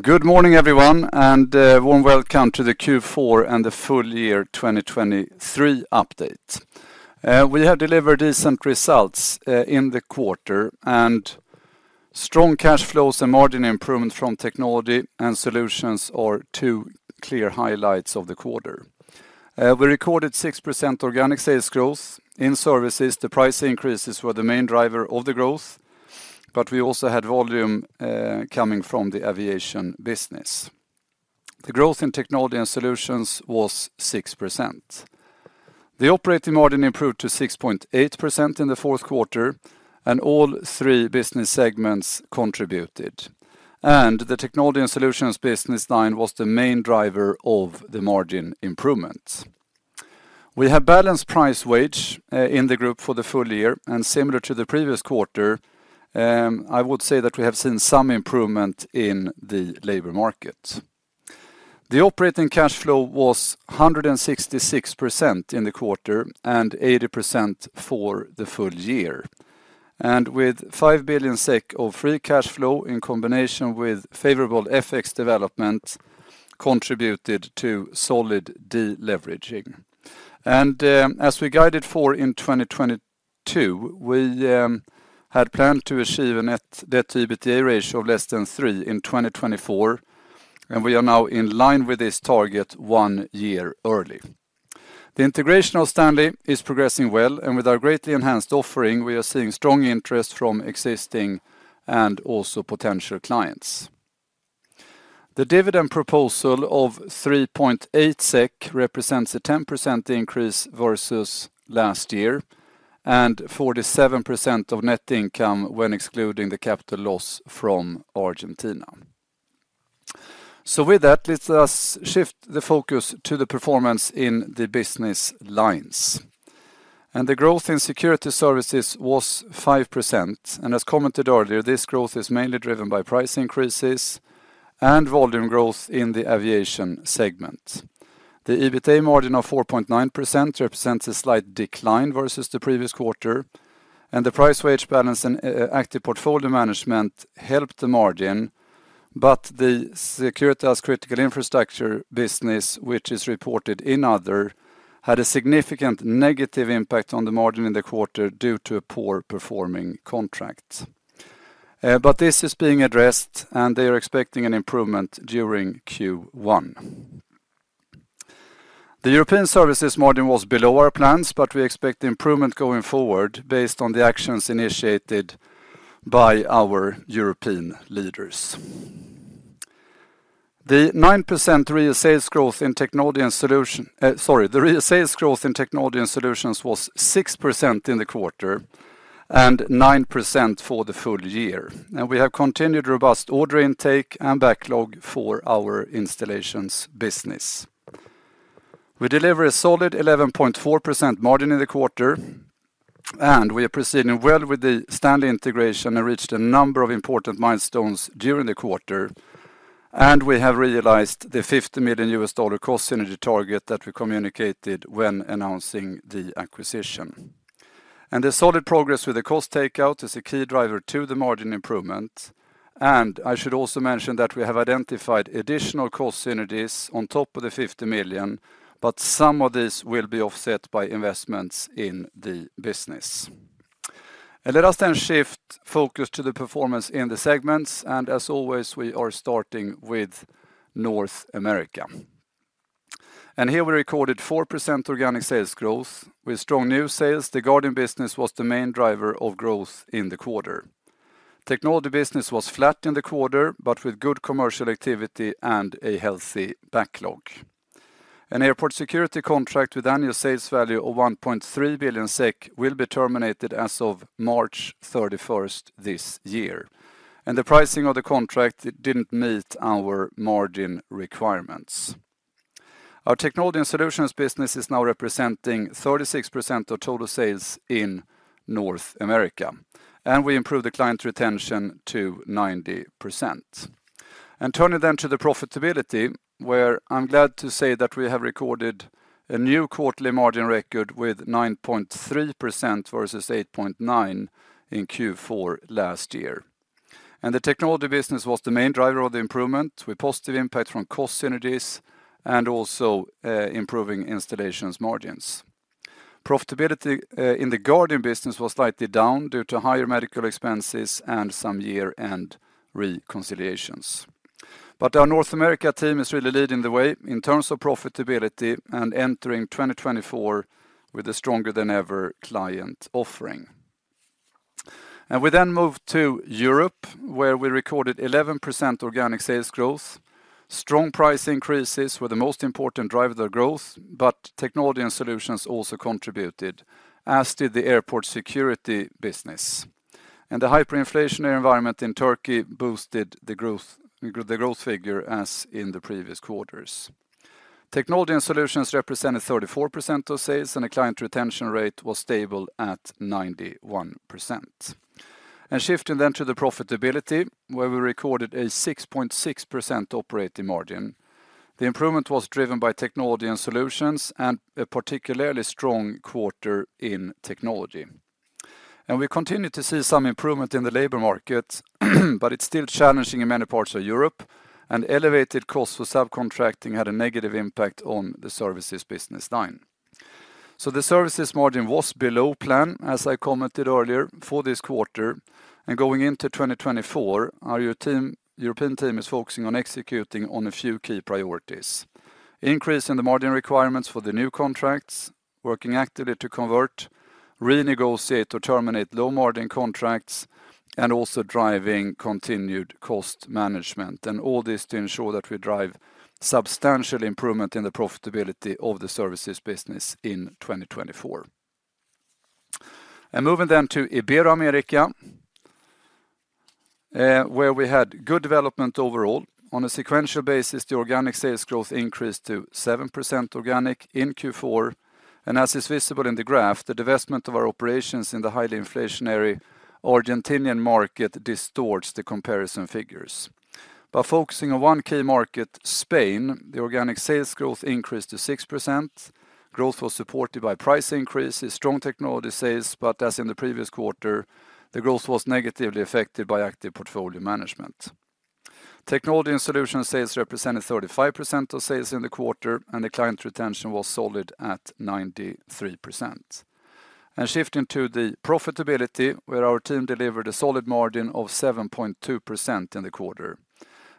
Good morning, everyone, and warm welcome to the Q4 and the Full Year 2023 Update. We have delivered decent results in the quarter, and strong cash flows and margin improvement from Technology and Solutions are two clear highlights of the quarter. We recorded 6% organic sales growth in services. The price increases were the main driver of the growth, but we also had volume coming from the aviation business. The growth in Technology and Solutions was 6%. The operating margin improved to 6.8% in the fourth quarter, and all three business segments contributed, and the Technology and Solutions business line was the main driver of the margin improvement. We have balanced price wage in the group for the full year, and similar to the previous quarter, I would say that we have seen some improvement in the labor market. The operating cash flow was 166% in the quarter and 80% for the full year, and with 5 billion SEK of free cash flow in combination with favorable FX development, contributed to solid deleveraging. As we guided for in 2022, we had planned to achieve a net debt EBITDA ratio of less than three in 2024, and we are now in line with this target one year early. The integration of Stanley is progressing well, and with our greatly enhanced offering, we are seeing strong interest from existing and also potential clients. The dividend proposal of 3.8 SEK represents a 10% increase versus last year, and 47% of net income when excluding the capital loss from Argentina. So with that, let us shift the focus to the performance in the business lines. The growth in security services was 5%, and as commented earlier, this growth is mainly driven by price increases and volume growth in the aviation segment. The EBITDA margin of 4.9% represents a slight decline versus the previous quarter, and the price wage balance and active portfolio management helped the margin, but the Securitas Critical Infrastructure business, which is reported in other, had a significant negative impact on the margin in the quarter due to a poor-performing contract. But this is being addressed, and they are expecting an improvement during Q1. The European services margin was below our plans, but we expect improvement going forward based on the actions initiated by our European leaders. The 9% real sales growth in technology and solution, sorry, the real sales growth in technology and solutions was 6% in the quarter and 9% for the full year. We have continued robust order intake and backlog for our installations business. We deliver a solid 11.4% margin in the quarter, and we are proceeding well with the Stanley integration and reached a number of important milestones during the quarter, and we have realized the $50 million cost synergy target that we communicated when announcing the acquisition. And the solid progress with the cost takeout is a key driver to the margin improvement, and I should also mention that we have identified additional cost synergies on top of the 50 million, but some of these will be offset by investments in the business. Let us then shift focus to the performance in the segments, and as always, we are starting with North America. And here we recorded 4% organic sales growth. With strong new sales, the Guarding business was the main driver of growth in the quarter. Technology business was flat in the quarter, but with good commercial activity and a healthy backlog. An airport security contract with annual sales value of 1.3 billion SEK will be terminated as of March 31st this year, and the pricing of the contract didn't meet our margin requirements. Our technology and solutions business is now representing 36% of total sales in North America, and we improved the client retention to 90%. Turning then to the profitability, where I'm glad to say that we have recorded a new quarterly margin record with 9.3% versus 8.9% in Q4 last year. The technology business was the main driver of the improvement, with positive impact from cost synergies and also, improving installations margins. Profitability in the Guarding business was slightly down due to higher medical expenses and some year-end reconciliations. But our North America team is really leading the way in terms of profitability and entering 2024 with a stronger-than-ever client offering. We then move to Europe, where we recorded 11% organic sales growth. Strong price increases were the most important driver of the growth, but technology and solutions also contributed, as did the airport security business. The hyperinflationary environment in Turkey boosted the growth, the growth figure, as in the previous quarters. Technology and solutions represented 34% of sales, and a client retention rate was stable at 91%. Shifting then to the profitability, where we recorded a 6.6% operating margin. The improvement was driven by technology and solutions and a particularly strong quarter in technology.... We continue to see some improvement in the labor market, but it's still challenging in many parts of Europe, and elevated costs for subcontracting had a negative impact on the services business line. The services margin was below plan, as I commented earlier, for this quarter, and going into 2024, our team, European team is focusing on executing on a few key priorities. Increase in the margin requirements for the new contracts, working actively to convert, renegotiate, or terminate low-margin contracts, and also driving continued cost management, and all this to ensure that we drive substantial improvement in the profitability of the services business in 2024. Moving then to Ibero-America, where we had good development overall. On a sequential basis, the organic sales growth increased to 7% organic in Q4, and as is visible in the graph, the divestment of our operations in the highly inflationary Argentinian market distorts the comparison figures. By focusing on one key market, Spain, the organic sales growth increased to 6%.Growth was supported by price increases, strong technology sales, but as in the previous quarter, the growth was negatively affected by active portfolio management. Technology and solution sales represented 35% of sales in the quarter, and the client retention was solid at 93%. And shifting to the profitability, where our team delivered a solid margin of 7.2% in the quarter.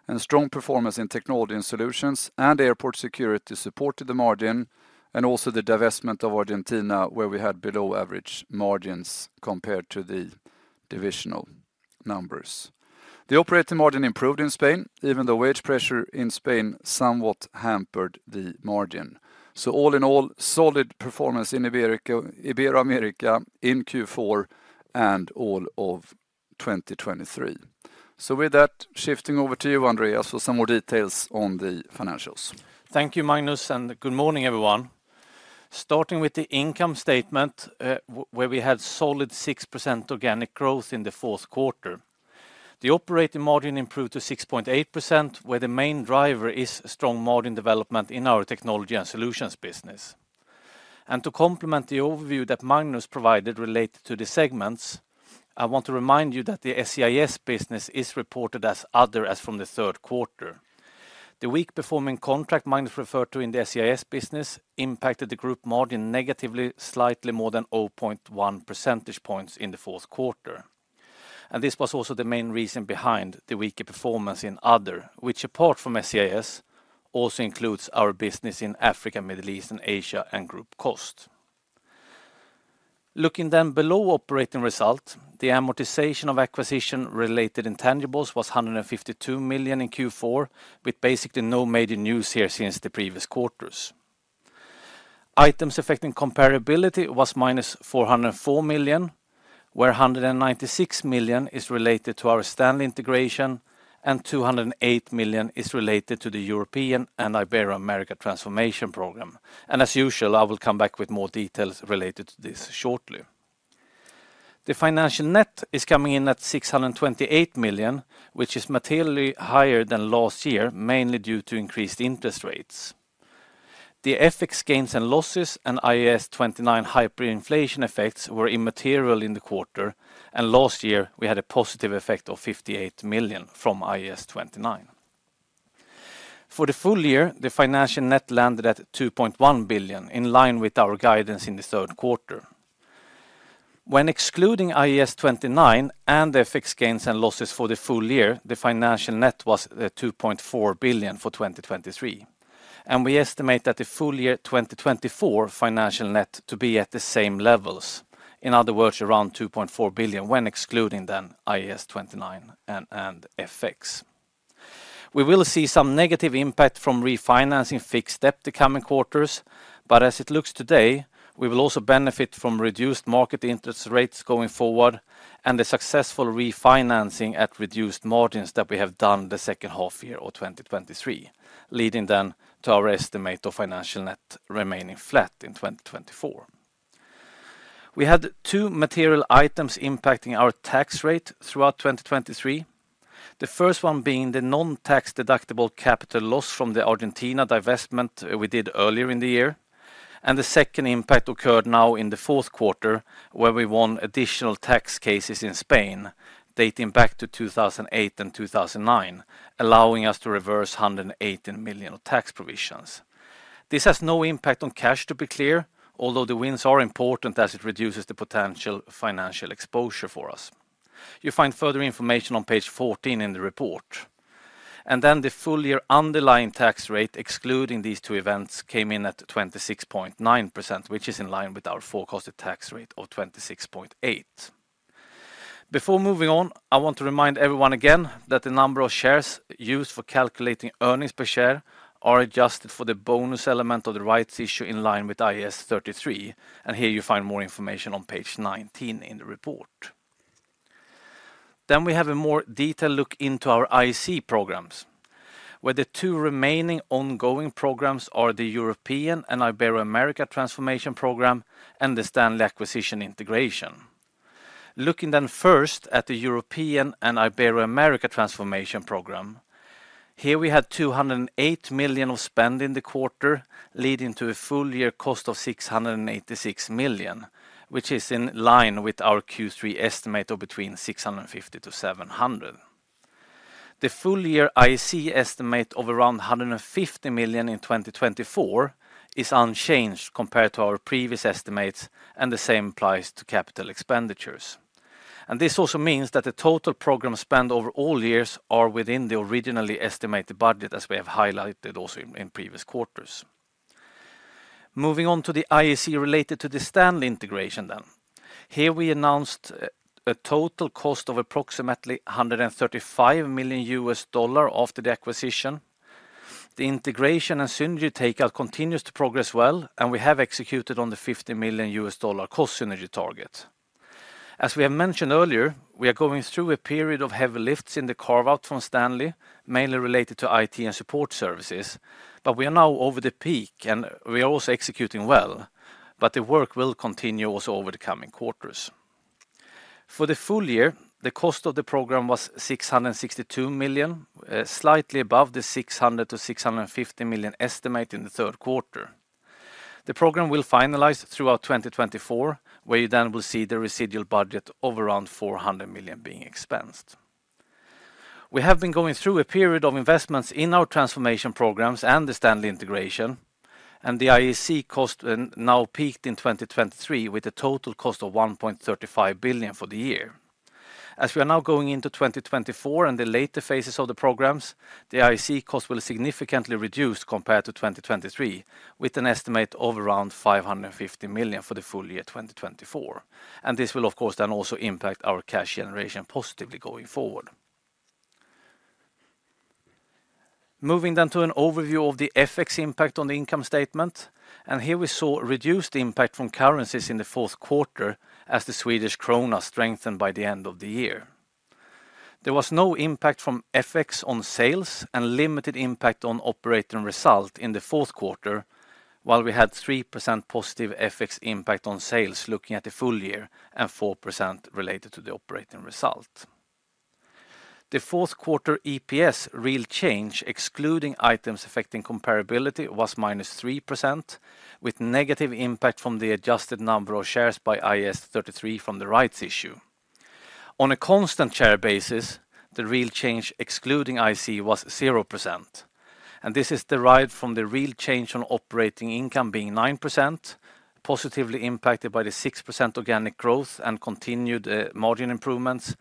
And strong performance in technology and solutions and airport security supported the margin, and also the divestment of Argentina, where we had below average margins compared to the divisional numbers. The operating margin improved in Spain, even though wage pressure in Spain somewhat hampered the margin. So all in all, solid performance in Ibero-America in Q4 and all of 2023. So with that, shifting over to you, Andreas, for some more details on the financials. Thank you, Magnus, and good morning, everyone. Starting with the income statement, where we had solid 6% organic growth in the fourth quarter. The operating margin improved to 6.8%, where the main driver is a strong margin development in our technology and solutions business. And to complement the overview that Magnus provided related to the segments, I want to remind you that the SCIS business is reported as other as from the third quarter. The weak-performing contract Magnus referred to in the SCIS business impacted the group margin negatively, slightly more than 0.1 percentage points in the fourth quarter. And this was also the main reason behind the weaker performance in other, which, apart from SCIS, also includes our business in Africa, Middle East, and Asia and group cost. Looking then below operating result, the amortization of acquisition-related intangibles was 152 million in Q4, with basically no major news here since the previous quarters. Items affecting comparability was -404 million, where 196 million is related to our Stanley integration, and 208 million is related to the European and Ibero-America Transformation Program. As usual, I will come back with more details related to this shortly. The financial net is coming in at 628 million, which is materially higher than last year, mainly due to increased interest rates. The FX gains and losses and IAS 29 hyperinflation effects were immaterial in the quarter, and last year we had a positive effect of 58 million from IAS 29.For the full year, the financial net landed at 2.1 billion, in line with our guidance in the third quarter. When excluding IAS 29 and the FX gains and losses for the full year, the financial net was at 2.4 billion for 2023, and we estimate that the full year 2024 financial net to be at the same levels. In other words, around 2.4 billion, when excluding then IAS 29 and FX. We will see some negative impact from refinancing fixed debt the coming quarters, but as it looks today, we will also benefit from reduced market interest rates going forward and the successful refinancing at reduced margins that we have done the second half year of 2023, leading then to our estimate of financial net remaining flat in 2024. We had two material items impacting our tax rate throughout 2023. The first one being the non-tax-deductible capital loss from the Argentina divestment we did earlier in the year, and the second impact occurred now in the fourth quarter, where we won additional tax cases in Spain dating back to 2008 and 2009, allowing us to reverse 118 million of tax provisions. This has no impact on cash, to be clear, although the wins are important as it reduces the potential financial exposure for us. You find further information on page 14 in the report. And then the full year underlying tax rate, excluding these two events, came in at 26.9%, which is in line with our forecasted tax rate of 26.8%.Before moving on, I want to remind everyone again that the number of shares used for calculating earnings per share are adjusted for the bonus element of the rights issue in line with IAS 33, and here you find more information on page 19 in the report. Then we have a more detailed look into our IAC programs, where the two remaining ongoing programs are the European and Ibero-America Transformation Program and the Stanley Acquisition Integration. Looking then first at the European and Ibero-America Transformation Program....Here we had 208 million of spend in the quarter, leading to a full year cost of 686 million, which is in line with our Q3 estimate of between 650 million-700 million. The full year IAC estimate of around 150 million in 2024 is unchanged compared to our previous estimates, and the same applies to capital expenditures. This also means that the total program spend over all years are within the originally estimated budget, as we have highlighted also in previous quarters. Moving on to the IAC related to the Stanley integration then. Here we announced a total cost of approximately $135 million after the acquisition. The integration and synergy takeout continues to progress well, and we have executed on the $50 million cost synergy target. As we have mentioned earlier, we are going through a period of heavy lifts in the carve out from Stanley, mainly related to IT and support services, but we are now over the peak, and we are also executing well, but the work will continue also over the coming quarters. For the full year, the cost of the program was 662 million, slightly above the 600 million-650 million estimate in the third quarter. The program will finalize throughout 2024, where you then will see the residual budget of around 400 million being expensed. We have been going through a period of investments in our transformation programs and the Stanley integration, and the IAC cost now peaked in 2023, with a total cost of 1.35 billion for the year. As we are now going into 2024 and the later phases of the programs, the IAC cost will significantly reduce compared to 2023, with an estimate of around 550 million for the full year 2024, and this will, of course, then also impact our cash generation positively going forward. Moving down to an overview of the FX impact on the income statement, and here we saw a reduced impact from currencies in the fourth quarter as the Swedish krona strengthened by the end of the year. There was no impact from FX on sales and limited impact on operating result in the fourth quarter, while we had 3% positive FX impact on sales, looking at the full year and 4% related to the operating result. The fourth quarter EPS real change, excluding items affecting comparability, was -3%, with negative impact from the adjusted number of shares by IAS 33 from the rights issue. On a constant share basis, the real change, excluding IC, was 0%, and this is derived from the real change on operating income being 9%, positively impacted by the 6% organic growth and continued margin improvements,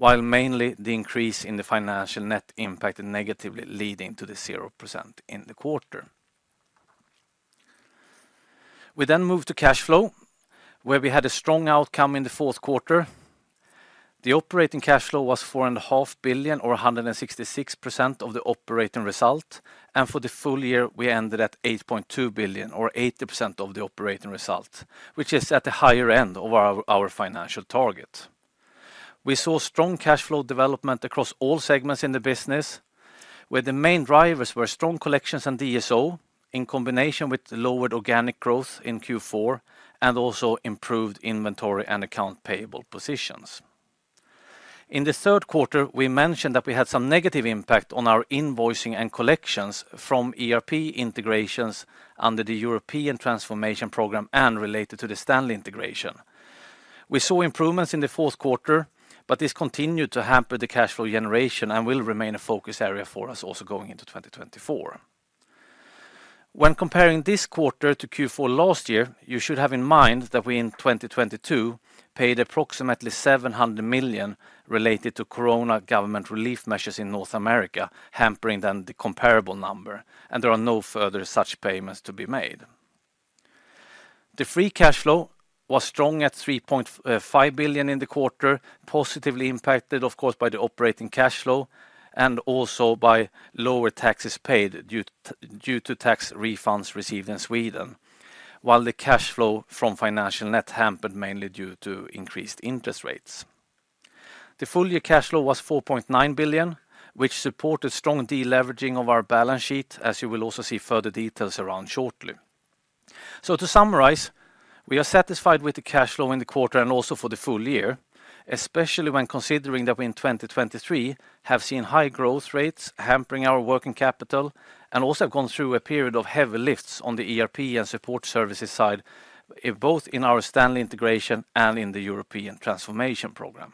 while mainly the increase in the financial net impacted negatively, leading to the 0% in the quarter. We then move to cash flow, where we had a strong outcome in the fourth quarter. The operating cash flow was 4.5 billion or 166% of the operating result, and for the full year, we ended at 8.2 billion or 80% of the operating result, which is at the higher end of our, our financial target. We saw strong cash flow development across all segments in the business, where the main drivers were strong collections and DSO, in combination with the lowered organic growth in Q4, and also improved inventory and accounts payable positions. In the third quarter, we mentioned that we had some negative impact on our invoicing and collections from ERP integrations under the European Transformation Program and related to the Stanley integration. We saw improvements in the fourth quarter, but this continued to hamper the cash flow generation and will remain a focus area for us also going into 2024. When comparing this quarter to Q4 last year, you should have in mind that we, in 2022, paid approximately 700 million related to Corona government relief measures in North America, hampering then the comparable number, and there are no further such payments to be made. The free cash flow was strong at 3.5 billion in the quarter, positively impacted, of course, by the operating cash flow and also by lower taxes paid due to tax refunds received in Sweden, while the cash flow from financial net hampered mainly due to increased interest rates. The full year cash flow was 4.9 billion, which supported strong deleveraging of our balance sheet, as you will also see further details around shortly. So to summarize, we are satisfied with the cash flow in the quarter and also for the full year, especially when considering that we, in 2023, have seen high growth rates hampering our working capital and also have gone through a period of heavy lifts on the ERP and support services side, both in our Stanley integration and in the European Transformation Program.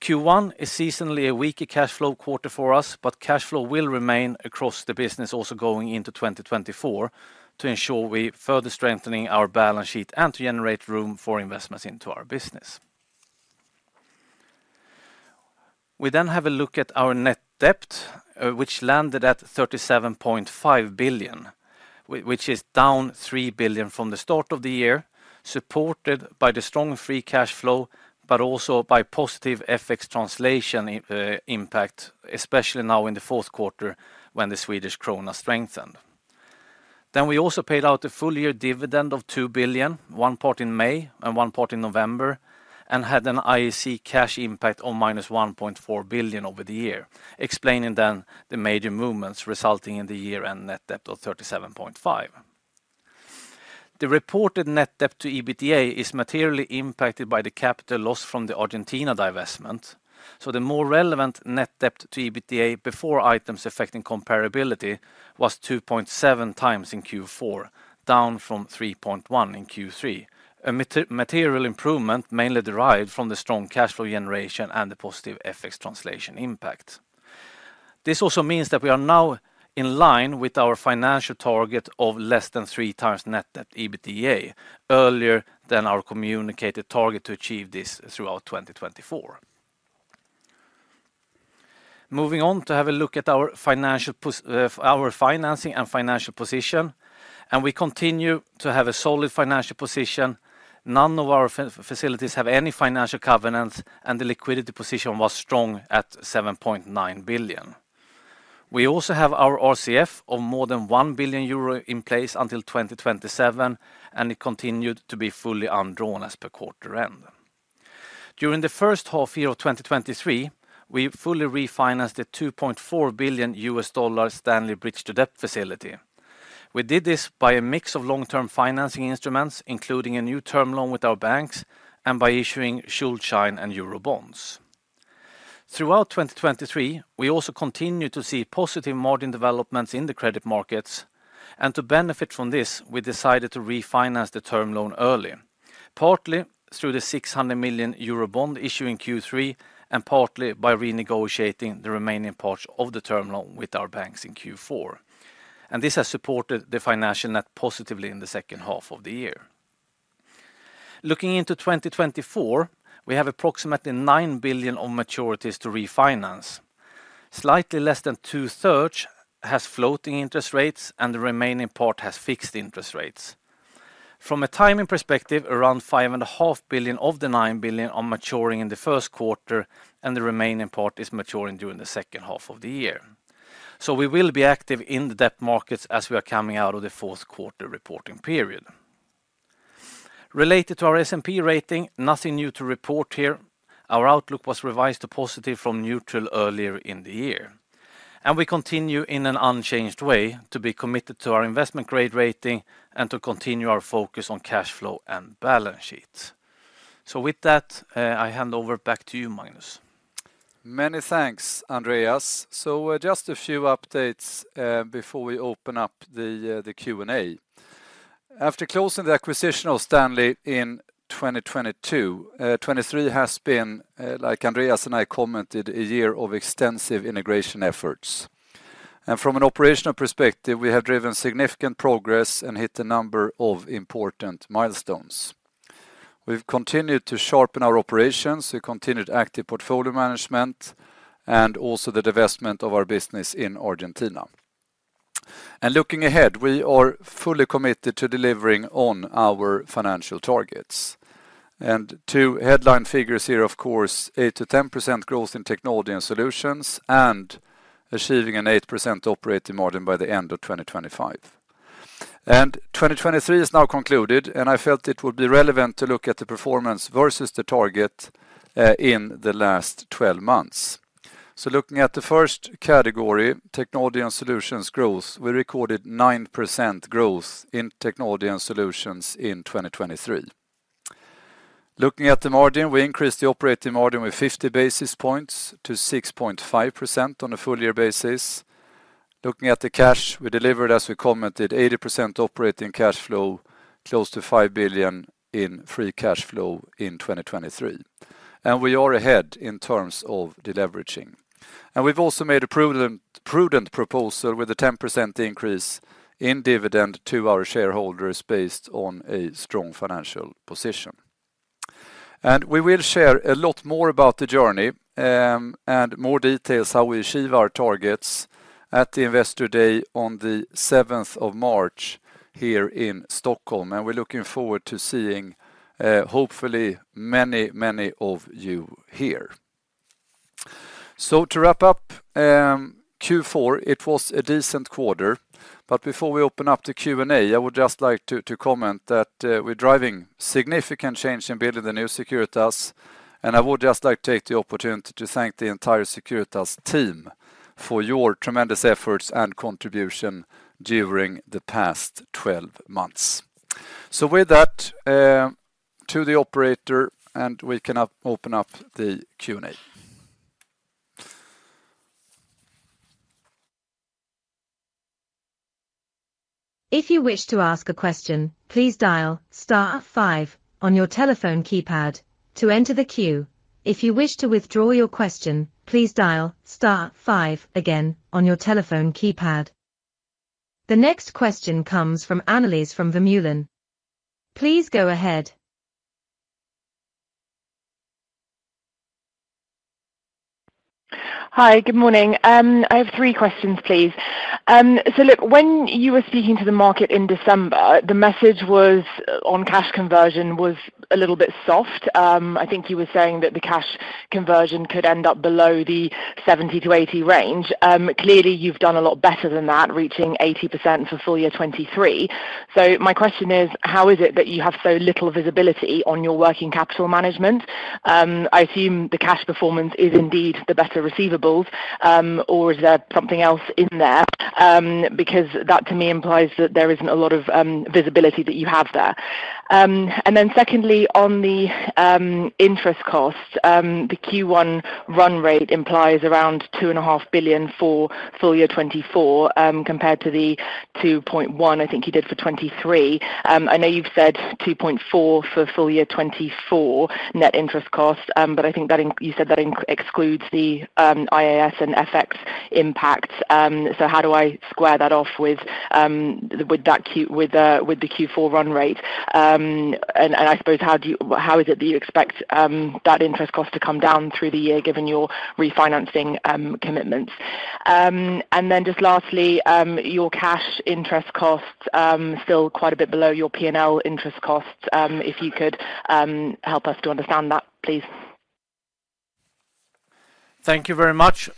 Q1 is seasonally a weaker cash flow quarter for us, but cash flow will remain across the business also going into 2024 to ensure we further strengthening our balance sheet and to generate room for investments into our business. We then have a look at our net debt, which landed at 37.5 billion, which is down 3 billion from the start of the year, supported by the strong free cash flow, but also by positive FX translation impact, especially now in the fourth quarter, when the Swedish krona strengthened. Then we also paid out a full year dividend of 2 billion, one part in May and one part in November, and had an IAC cash impact on -1.4 billion over the year, explaining then the major movements resulting in the year-end net debt of 37.5 billion. The reported net debt to EBITDA is materially impacted by the capital loss from the Argentina divestment. So the more relevant net debt to EBITDA before items affecting comparability was 2.7x in Q4, down from 3.1x in Q3. A material improvement mainly derived from the strong cash flow generation and the positive FX translation impact. This also means that we are now in line with our financial target of less than 3x net debt to EBITDA, earlier than our communicated target to achieve this throughout 2024. Moving on to have a look at our financial position, our financing and financial position, and we continue to have a solid financial position. None of our facilities have any financial covenants, and the liquidity position was strong at 7.9 billion. We also have our RCF of more than 1 billion euro in place until 2027, and it continued to be fully undrawn as per quarter end. During the first half year of 2023, we fully refinanced the $2.4 billion Stanley bridge-to-debt facility. We did this by a mix of long-term financing instruments, including a new term loan with our banks and by issuing Schuldschein and Eurobonds. Throughout 2023, we also continued to see positive margin developments in the credit markets, and to benefit from this, we decided to refinance the term loan early, partly through the 600 million Eurobond issue in Q3, and partly by renegotiating the remaining parts of the term loan with our banks in Q4. This has supported the financial net positively in the second half of the year. Looking into 2024, we have approximately 9 billion of maturities to refinance. Slightly less than 2/3 has floating interest rates, and the remaining part has fixed interest rates. From a timing perspective, around 5.5 billion of the 9 billion are maturing in the first quarter, and the remaining part is maturing during the second half of the year. So we will be active in the debt markets as we are coming out of the fourth quarter reporting period. Related to our S&P rating, nothing new to report here. Our outlook was revised to positive from neutral earlier in the year, and we continue in an unchanged way to be committed to our investment grade rating and to continue our focus on cash flow and balance sheet. So with that, I hand over back to you, Magnus. Many thanks, Andreas. So just a few updates, before we open up the Q&A. After closing the acquisition of Stanley in 2022, 2023 has been, like Andreas and I commented, a year of extensive integration efforts. And from an operational perspective, we have driven significant progress and hit a number of important milestones. We've continued to sharpen our operations, we continued active portfolio management, and also the divestment of our business in Argentina. And looking ahead, we are fully committed to delivering on our financial targets. And two headline figures here, of course, 8%-10% growth in technology and solutions, and achieving an 8% operating margin by the end of 2025. And 2023 is now concluded, and I felt it would be relevant to look at the performance versus the target, in the last 12 months. So looking at the first category, technology and solutions growth, we recorded 9% growth in technology and solutions in 2023. Looking at the margin, we increased the operating margin with 50 basis points to 6.5% on a full year basis. Looking at the cash, we delivered, as we commented, 80% operating cash flow, close to 5 billion in free cash flow in 2023, and we are ahead in terms of deleveraging. And we've also made a prudent, prudent proposal with a 10% increase in dividend to our shareholders based on a strong financial position. And we will share a lot more about the journey, and more details how we achieve our targets at the Investor Day on the 7th of March here in Stockholm, and we're looking forward to seeing, hopefully many, many of you here. So to wrap up, Q4, it was a decent quarter, but before we open up to Q&A, I would just like to comment that, we're driving significant change in building the new Securitas, and I would just like to take the opportunity to thank the entire Securitas team for your tremendous efforts and contribution during the past 12 months. So with that, to the operator, and we can open up the Q&A. If you wish to ask a question, please dial star five on your telephone keypad to enter the queue. If you wish to withdraw your question, please dial star five again on your telephone keypad. The next question comes from Annelies Vermeulen. Please go ahead. Hi, good morning. I have three questions, please. So look, when you were speaking to the market in December, the message was on cash conversion was a little bit soft. I think you were saying that the cash conversion could end up below the 70%-80% range. Clearly, you've done a lot better than that, reaching 80% for full year 2023. So my question is: how is it that you have so little visibility on your working capital management? I assume the cash performance is indeed the better receivables, or is there something else in there? Because that to me implies that there isn't a lot of visibility that you have there. And then secondly, on the interest costs, the Q1 run rate implies around 2.5 billion for full year 2024, compared to the 2.1 billion, I think you did for 2023. I know you've said 2.4 billion for full year 2024 net interest costs, but I think that you said that excludes the IAS and FX impacts. So how do I square that off with the Q4 run rate? And I suppose how is it that you expect that interest cost to come down through the year, given your refinancing commitments? And then just lastly, your cash interest costs still quite a bit below your P&L interest costs. If you could help us to understand that, please. Thank you very much.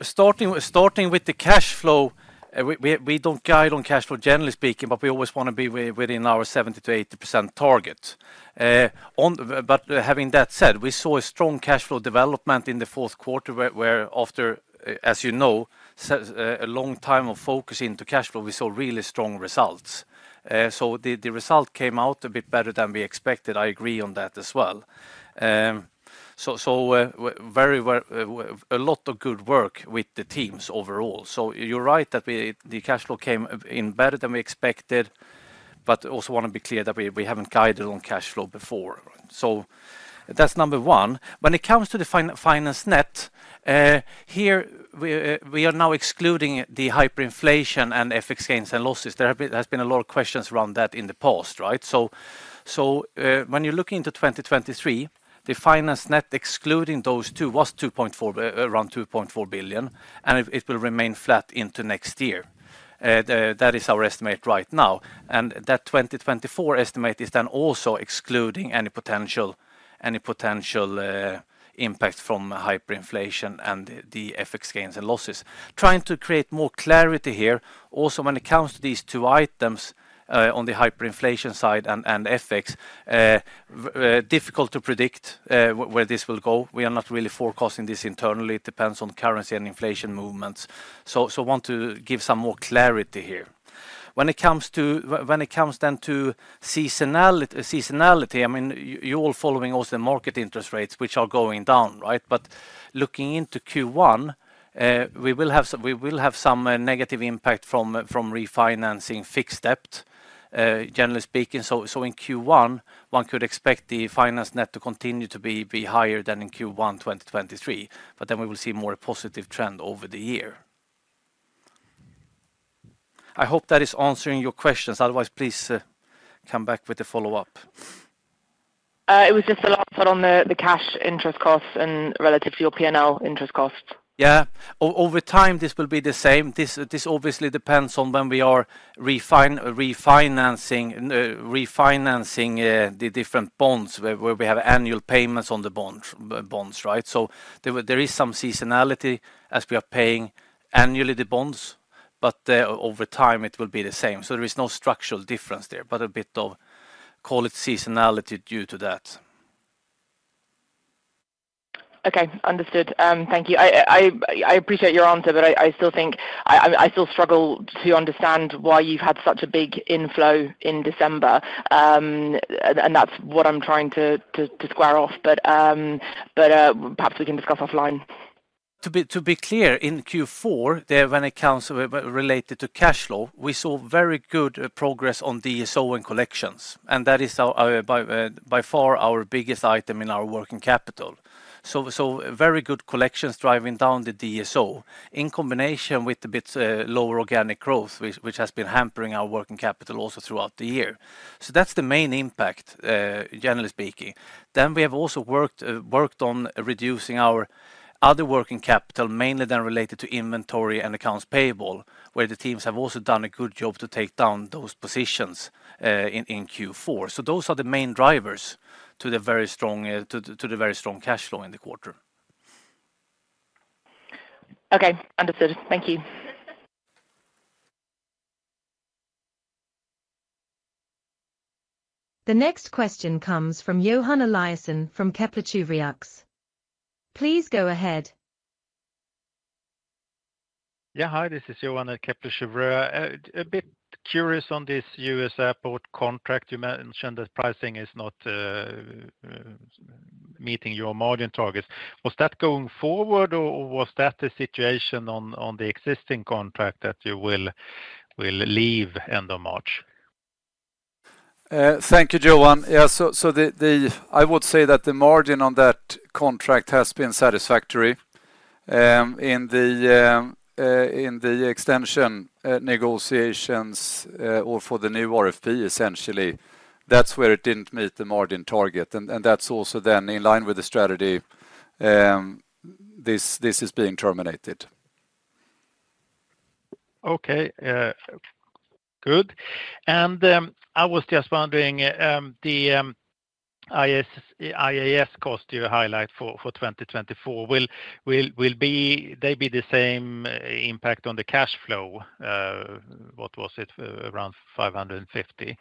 Starting with the cash flow, we don't guide on cash flow, generally speaking, but we always wanna be within our 70%-80% target. But having that said, we saw a strong cash flow development in the fourth quarter, where after, as you know, a long time of focus into cash flow, we saw really strong results. So the result came out a bit better than we expected. I agree on that as well. So very well, a lot of good work with the teams overall. So you're right that we... The cash flow came in better than we expected, but also wanna be clear that we haven't guided on cash flow before. So that's number one. When it comes to the finance net, here, we are now excluding the hyperinflation and FX gains and losses. There has been a lot of questions around that in the past, right? So, when you look into 2023, the finance net, excluding those two, was 2.4 billion, around 2.4 billion, and it will remain flat into next year. That is our estimate right now, and that 2024 estimate is then also excluding any potential impact from hyperinflation and the FX gains and losses. Trying to create more clarity here, also when it comes to these two items, on the hyperinflation side and FX, difficult to predict where this will go. We are not really forecasting this internally. It depends on currency and inflation movements. So, I want to give some more clarity here. When it comes to seasonality, I mean, you all following also the market interest rates, which are going down, right? But looking into Q1, we will have some negative impact from refinancing fixed debt, generally speaking. So, in Q1, one could expect the finance net to continue to be higher than in Q1 2023, but then we will see more positive trend over the year. I hope that is answering your questions. Otherwise, please, come back with a follow-up. It was just a lot on the cash interest costs and relative to your P&L interest costs. Yeah. Over time, this will be the same. This obviously depends on when we are refinancing the different bonds, where we have annual payments on the bond, bonds, right? So there is some seasonality as we are paying annually the bonds, but over time it will be the same. So there is no structural difference there, but a bit of, call it, seasonality due to that. Okay, understood. Thank you. I appreciate your answer, but I still think I still struggle to understand why you've had such a big inflow in December. And that's what I'm trying to square off. But perhaps we can discuss offline. To be clear, in Q4, when it comes related to cash flow, we saw very good progress on DSO and collections, and that is our by far our biggest item in our working capital. So very good collections driving down the DSO in combination with a bit lower organic growth, which has been hampering our working capital also throughout the year. So that's the main impact, generally speaking. Then we have also worked on reducing our other working capital, mainly then related to inventory and accounts payable, where the teams have also done a good job to take down those positions in Q4. So those are the main drivers to the very strong cash flow in the quarter. Okay, understood. Thank you. The next question comes from Johan Eliason from Kepler Cheuvreux. Please go ahead. Yeah, hi, this is Johan at Kepler Cheuvreux. A bit curious on this US airport contract. You mentioned that pricing is not meeting your margin targets. Was that going forward, or was that the situation on the existing contract that you will leave end of March? Thank you, Johan. Yeah, so I would say that the margin on that contract has been satisfactory. In the extension negotiations, or for the new RFP, essentially, that's where it didn't meet the margin target, and that's also then in line with the strategy. This is being terminated. Okay, good. And, I was just wondering, the IAS cost you highlight for 2024, will they be the same impact on the cash flow? What was it? Around 550....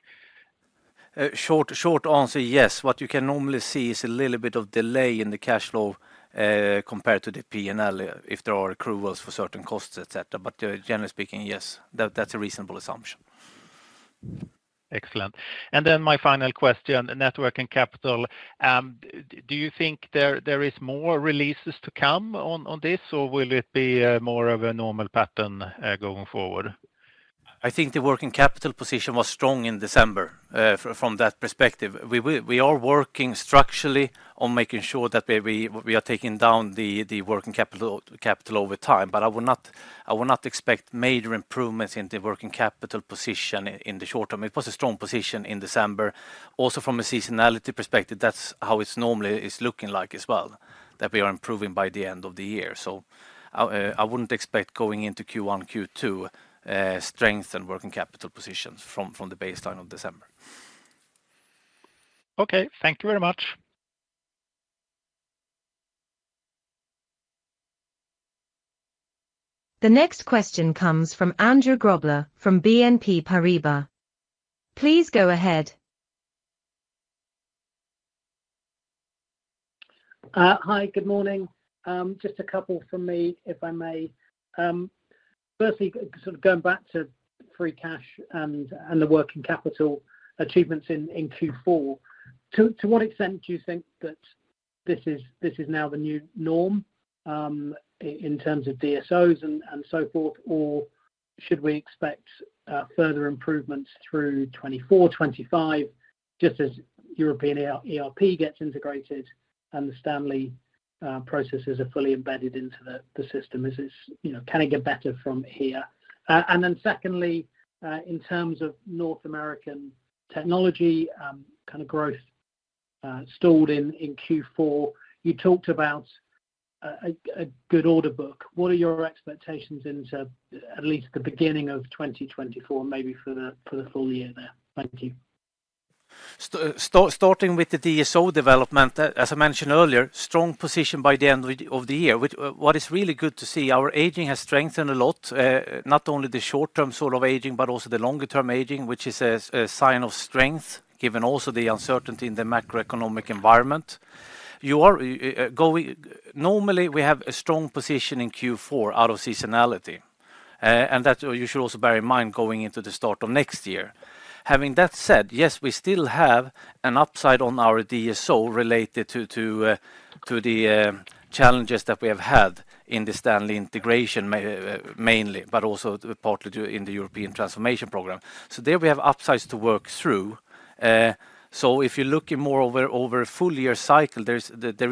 short, short answer, yes. What you can normally see is a little bit of delay in the cash flow, compared to the PNL, if there are accruals for certain costs, et cetera. But, generally speaking, yes, that, that's a reasonable assumption. Excellent. And then my final question, network and capital. Do you think there is more releases to come on this, or will it be more of a normal pattern going forward? I think the working capital position was strong in December from that perspective. We are working structurally on making sure that we are taking down the working capital over time. But I would not expect major improvements in the working capital position in the short term. It was a strong position in December. Also, from a seasonality perspective, that's how it's normally is looking like as well, that we are improving by the end of the year. So I wouldn't expect going into Q1, Q2 strength and working capital positions from the baseline of December. Okay. Thank you very much. The next question comes from Andrew Grobler from BNP Paribas. Please go ahead. Hi, good morning. Just a couple from me, if I may. Firstly, sort of going back to free cash and the working capital achievements in Q4. To what extent do you think that this is now the new norm in terms of DSOs and so forth? Or should we expect further improvements through 2024, 2025, just as European ERP gets integrated and the Stanley processes are fully embedded into the system? Is this... You know, can it get better from here? And then secondly, in terms of North American technology kind of growth stalled in Q4. You talked about a good order book. What are your expectations into at least the beginning of 2024, maybe for the full year there? Thank you. Starting with the DSO development, as I mentioned earlier, strong position by the end of the year. Which, what is really good to see, our aging has strengthened a lot, not only the short-term sort of aging, but also the longer-term aging, which is a sign of strength, given also the uncertainty in the macroeconomic environment. Normally, we have a strong position in Q4 out of seasonality, and that you should also bear in mind going into the start of next year. Having that said, yes, we still have an upside on our DSO related to the challenges that we have had in the Stanley integration mainly, but also partly in the European transformation program. So there we have upsides to work through. So if you're looking more over a full year cycle, there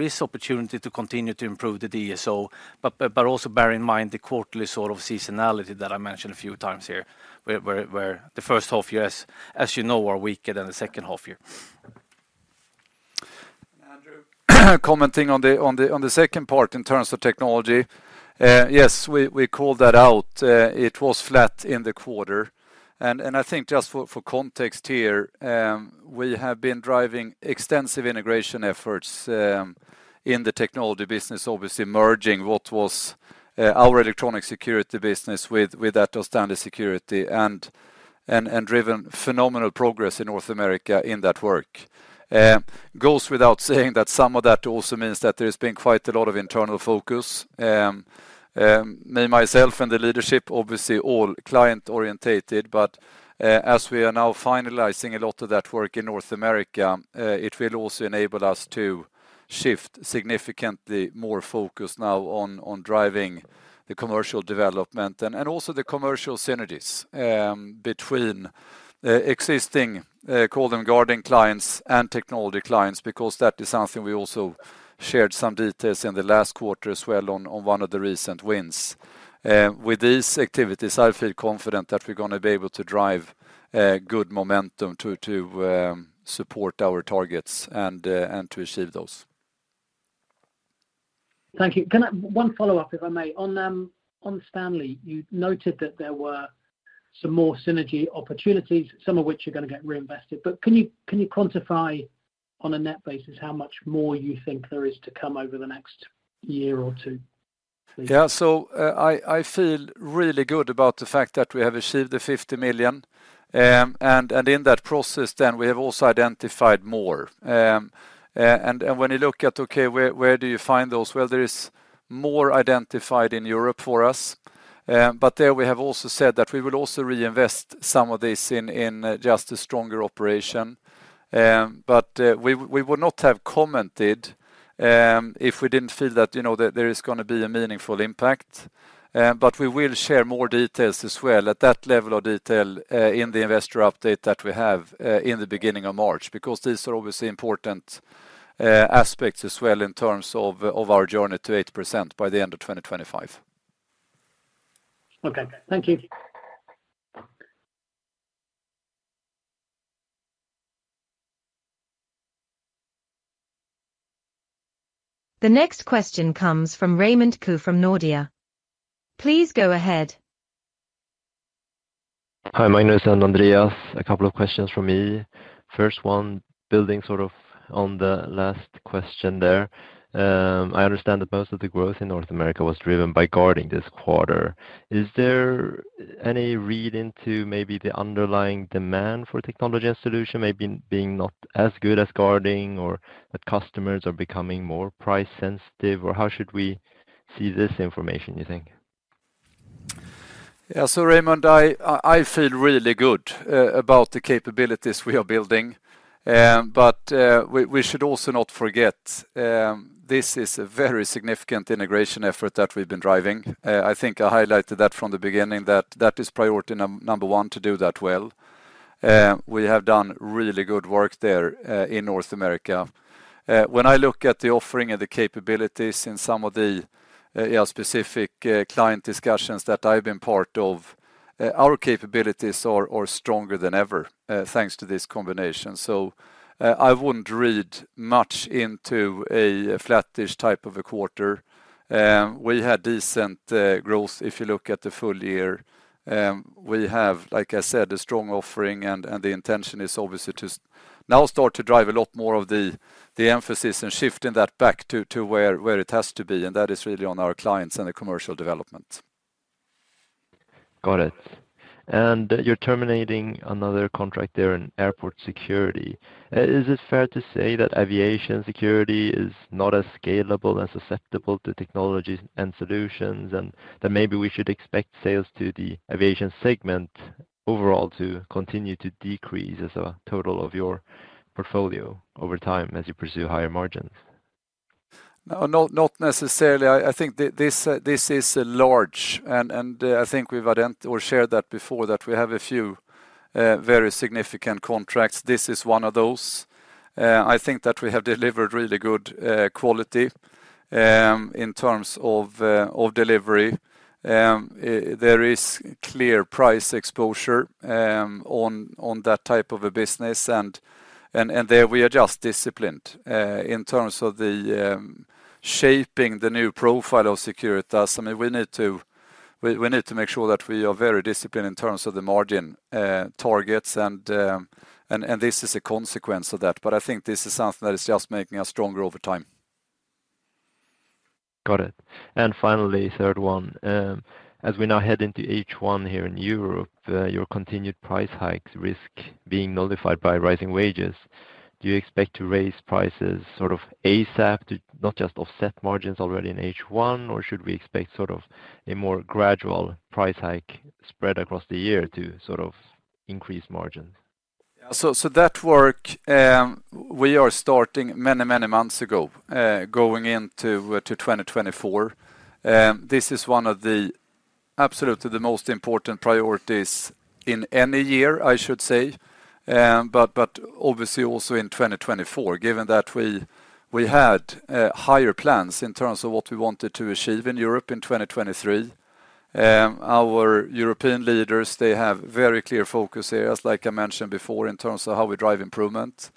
is opportunity to continue to improve the DSO. But also bear in mind the quarterly sort of seasonality that I mentioned a few times here, where the first half year, as you know, are weaker than the second half year. Andrew, commenting on the second part in terms of technology. Yes, we called that out. It was flat in the quarter. And I think just for context here, we have been driving extensive integration efforts in the technology business, obviously, merging what was our electronic security business with Stanley Security, and driven phenomenal progress in North America in that work. Goes without saying that some of that also means that there's been quite a lot of internal focus. Me, myself, and the leadership, obviously all client-oriented, but as we are now finalizing a lot of that work in North America, it will also enable us to shift significantly more focus now on driving the commercial development and also the commercial synergies between existing, call them guarding clients and technology clients, because that is something we also shared some details in the last quarter as well on one of the recent wins. With these activities, I feel confident that we're gonna be able to drive good momentum to support our targets and to achieve those. Thank you. Can I... One follow-up, if I may. On them, on Stanley, you noted that there were some more synergy opportunities, some of which are gonna get reinvested, but can you, can you quantify on a net basis how much more you think there is to come over the next year or two? Yeah. So, I feel really good about the fact that we have achieved the $50 million. And in that process, then we have also identified more. And when you look at, okay, where do you find those? Well, there is more identified in Europe for us, but there we have also said that we will also reinvest some of this in just a stronger operation. But we would not have commented if we didn't feel that, you know, there is gonna be a meaningful impact. But we will share more details as well, at that level of detail, in the investor update that we have, in the beginning of March, because these are obviously important aspects as well in terms of our journey to 8% by the end of 2025. Okay. Thank you. The next question comes from Raymond Ke from Nordea. Please go ahead.... Hi, Magnus and Andreas. A couple of questions from me. First one, building sort of on the last question there, I understand that most of the growth in North America was driven by guarding this quarter. Is there any read into maybe the underlying demand for technology and solution maybe being not as good as guarding, or that customers are becoming more price-sensitive? Or how should we see this information, you think? Yeah. So, Raymond Ke, I feel really good about the capabilities we are building. But we should also not forget this is a very significant integration effort that we've been driving. I think I highlighted that from the beginning, that is priority number one, to do that well. We have done really good work there in North America. When I look at the offering and the capabilities in some of the specific client discussions that I've been part of, our capabilities are stronger than ever, thanks to this combination. So, I wouldn't read much into a flattish type of a quarter. We had decent growth if you look at the full year. We have, like I said, a strong offering, and the intention is obviously to now start to drive a lot more of the emphasis and shifting that back to where it has to be, and that is really on our clients and the commercial development. Got it. And you're terminating another contract there in airport security. Is it fair to say that aviation security is not as scalable and susceptible to technologies and solutions, and that maybe we should expect sales to the aviation segment overall to continue to decrease as a total of your portfolio over time as you pursue higher margins? No, not necessarily. I think this is large, and I think we've identified or shared that before, that we have a few very significant contracts. This is one of those. I think that we have delivered really good quality in terms of delivery. There is clear price exposure on that type of a business, and there we are just disciplined. In terms of shaping the new profile of Securitas, I mean, we need to, we need to make sure that we are very disciplined in terms of the margin targets, and this is a consequence of that. But I think this is something that is just making us stronger over time. Got it. Finally, third one. As we now head into H1 here in Europe, your continued price hikes risk being nullified by rising wages. Do you expect to raise prices sort of ASAP to not just offset margins already in H1, or should we expect sort of a more gradual price hike spread across the year to sort of increase margins? Yeah, so that work we are starting many, many months ago, going into 2024. This is one of absolutely the most important priorities in any year, I should say, but obviously also in 2024, given that we had higher plans in terms of what we wanted to achieve in Europe in 2023. Our European leaders, they have very clear focus areas, like I mentioned before, in terms of how we drive improvement.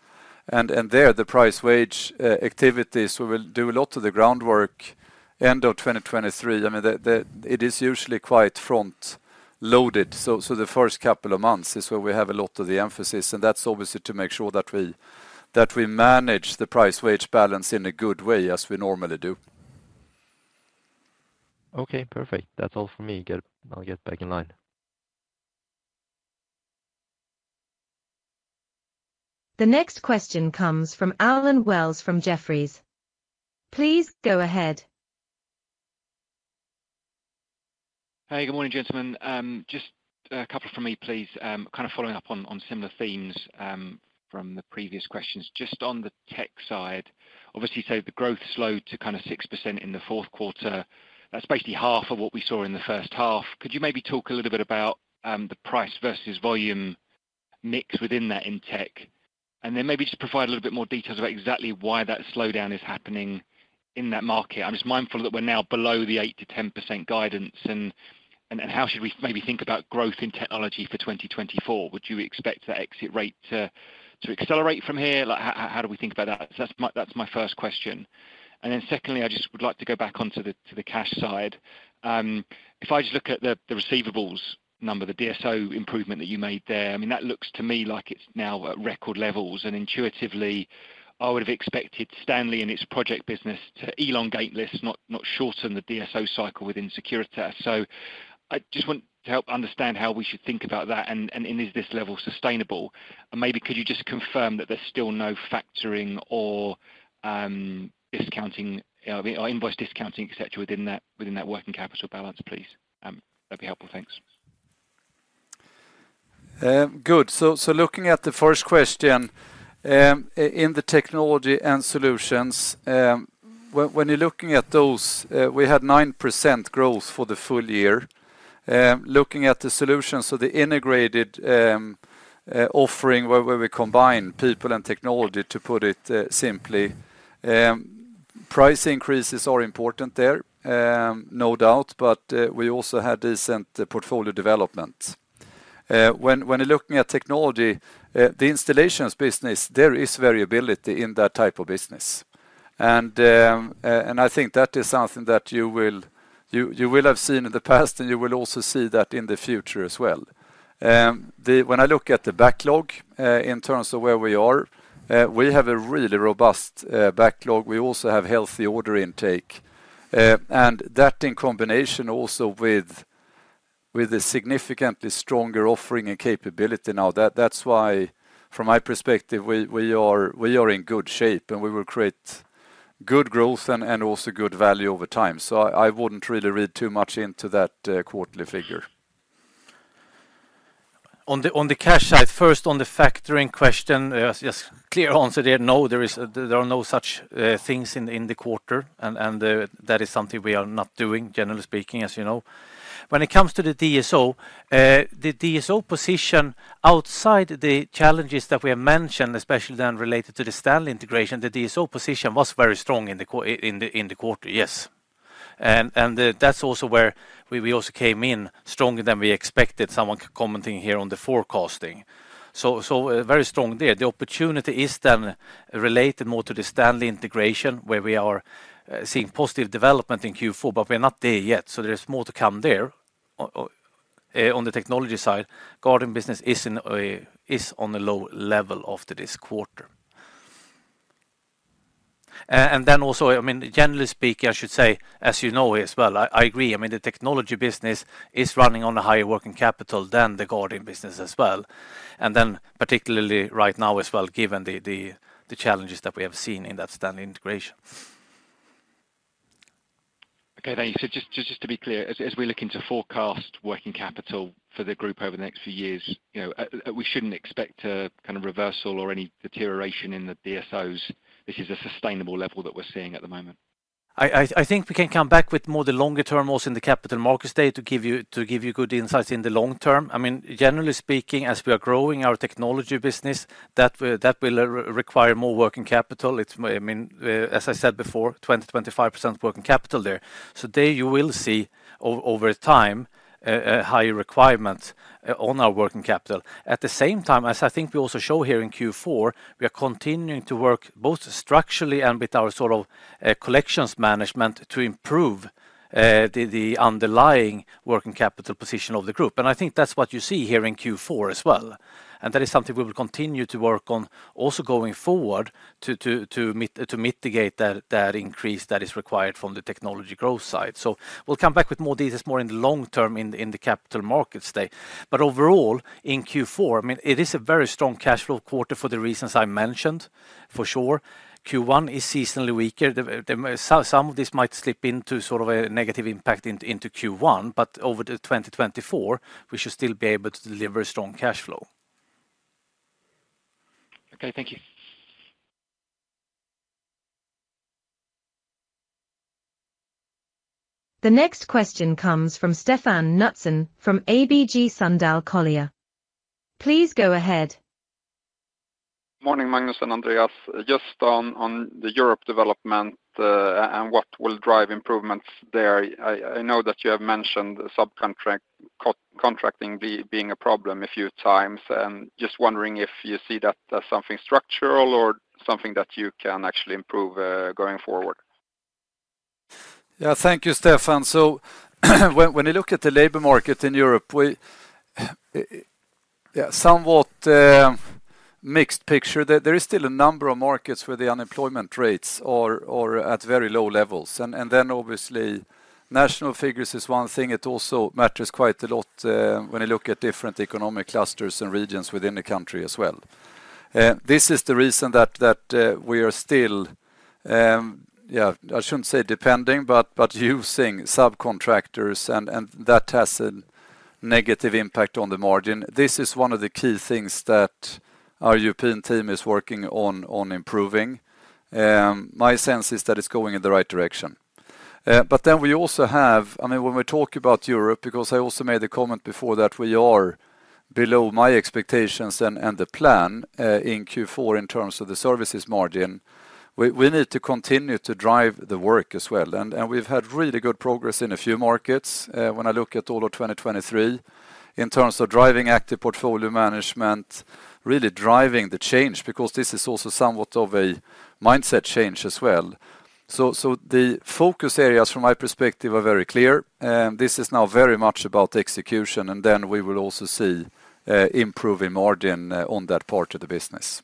And there, the price wage activities, we will do a lot of the groundwork end of 2023. I mean, it is usually quite front-loaded, so the first couple of months is where we have a lot of the emphasis, and that's obviously to make sure that we manage the price wage balance in a good way as we normally do. Okay, perfect. That's all for me. I'll get back in line. The next question comes from Allen Wells, from Jefferies. Please go ahead. Hey, good morning, gentlemen. Just a couple from me, please. Kind of following up on similar themes from the previous questions. Just on the tech side, obviously, so the growth slowed to kinda 6% in the fourth quarter. That's basically half of what we saw in the first half. Could you maybe talk a little bit about the price versus volume mix within that in tech? And then maybe just provide a little bit more details about exactly why that slowdown is happening in that market. I'm just mindful that we're now below the 8%-10% guidance, and how should we maybe think about growth in technology for 2024? Would you expect that exit rate to accelerate from here? Like, how do we think about that? So that's my first question. Then secondly, I just would like to go back onto the, to the cash side. If I just look at the receivables number, the DSO improvement that you made there, I mean, that looks to me like it's now at record levels. And intuitively, I would have expected Stanley and its project business to elongate lists, not shorten the DSO cycle within Securitas. So I just want to help understand how we should think about that, and is this level sustainable? And maybe could you just confirm that there's still no factoring or discounting or invoice discounting, et cetera, within that working capital balance, please? That'd be helpful. Thanks. Good. So looking at the first question, in the technology and solutions, when you're looking at those, we had 9% growth for the full year. Looking at the solutions, so the integrated offering, where we combine people and technology, to put it simply. Price increases are important there, no doubt, but we also had decent portfolio development. When you're looking at technology, the installations business, there is variability in that type of business. And I think that is something that you will have seen in the past, and you will also see that in the future as well... When I look at the backlog, in terms of where we are, we have a really robust backlog. We also have healthy order intake. And that in combination also with a significantly stronger offering and capability now, that's why, from my perspective, we are in good shape, and we will create good growth and also good value over time. So I wouldn't really read too much into that quarterly figure. On the cash side, first, on the factoring question, just clear answer there, no, there are no such things in the quarter, and that is something we are not doing, generally speaking, as you know. When it comes to the DSO, the DSO position outside the challenges that we have mentioned, especially then related to the Stanley integration, the DSO position was very strong in the quarter, yes. And that's also where we also came in stronger than we expected. Someone commenting here on the forecasting. So, very strong there. The opportunity is then related more to the Stanley integration, where we are seeing positive development in Q4, but we're not there yet, so there is more to come there. On the technology side, guard business is on a low level after this quarter. And then also, I mean, generally speaking, I should say, as you know as well, I agree. I mean, the technology business is running on a higher working capital than the guard business as well, and then particularly right now as well, given the challenges that we have seen in that Stanley integration. Okay, thank you. So just, just to be clear, as, as we look into forecast working capital for the group over the next few years, you know, we shouldn't expect a kind of reversal or any deterioration in the DSOs. This is a sustainable level that we're seeing at the moment. I think we can come back with more the longer term, also in the capital markets day, to give you, to give you good insights in the long term. I mean, generally speaking, as we are growing our technology business, that will, that will require more working capital. It's, I mean, as I said before, 20%-25% working capital there. So there you will see over time a higher requirement on our working capital. At the same time, as I think we also show here in Q4, we are continuing to work both structurally and with our sort of collections management to improve the underlying working capital position of the group. And I think that's what you see here in Q4 as well, and that is something we will continue to work on also going forward to mitigate that increase that is required from the technology growth side. So we'll come back with more details, more in the long term, in the Capital Markets Day. But overall, in Q4, I mean, it is a very strong cash flow quarter for the reasons I mentioned, for sure. Q1 is seasonally weaker. Some of this might slip into sort of a negative impact into Q1, but over the 2024, we should still be able to deliver strong cash flow. Okay, thank you. The next question comes from Stefan Knutsson, from ABG Sundal Collier. Please go ahead. Morning, Magnus and Andreas. Just on the Europe development and what will drive improvements there. I know that you have mentioned subcontracting being a problem a few times. And just wondering if you see that as something structural or something that you can actually improve going forward? Yeah. Thank you, Stefan. So, when you look at the labor market in Europe, yeah, somewhat mixed picture. There is still a number of markets where the unemployment rates are at very low levels. And then obviously, national figures is one thing. It also matters quite a lot when you look at different economic clusters and regions within the country as well. This is the reason that we are still, yeah, I shouldn't say depending, but using subcontractors, and that has a negative impact on the margin. This is one of the key things that our European team is working on improving. My sense is that it's going in the right direction. But then we also have—I mean, when we talk about Europe, because I also made a comment before that we are below my expectations and the plan in Q4, in terms of the services margin, we need to continue to drive the work as well. And we've had really good progress in a few markets, when I look at all of 2023, in terms of driving active portfolio management, really driving the change, because this is also somewhat of a mindset change as well. So the focus areas from my perspective are very clear, and this is now very much about execution, and then we will also see improving margin on that part of the business.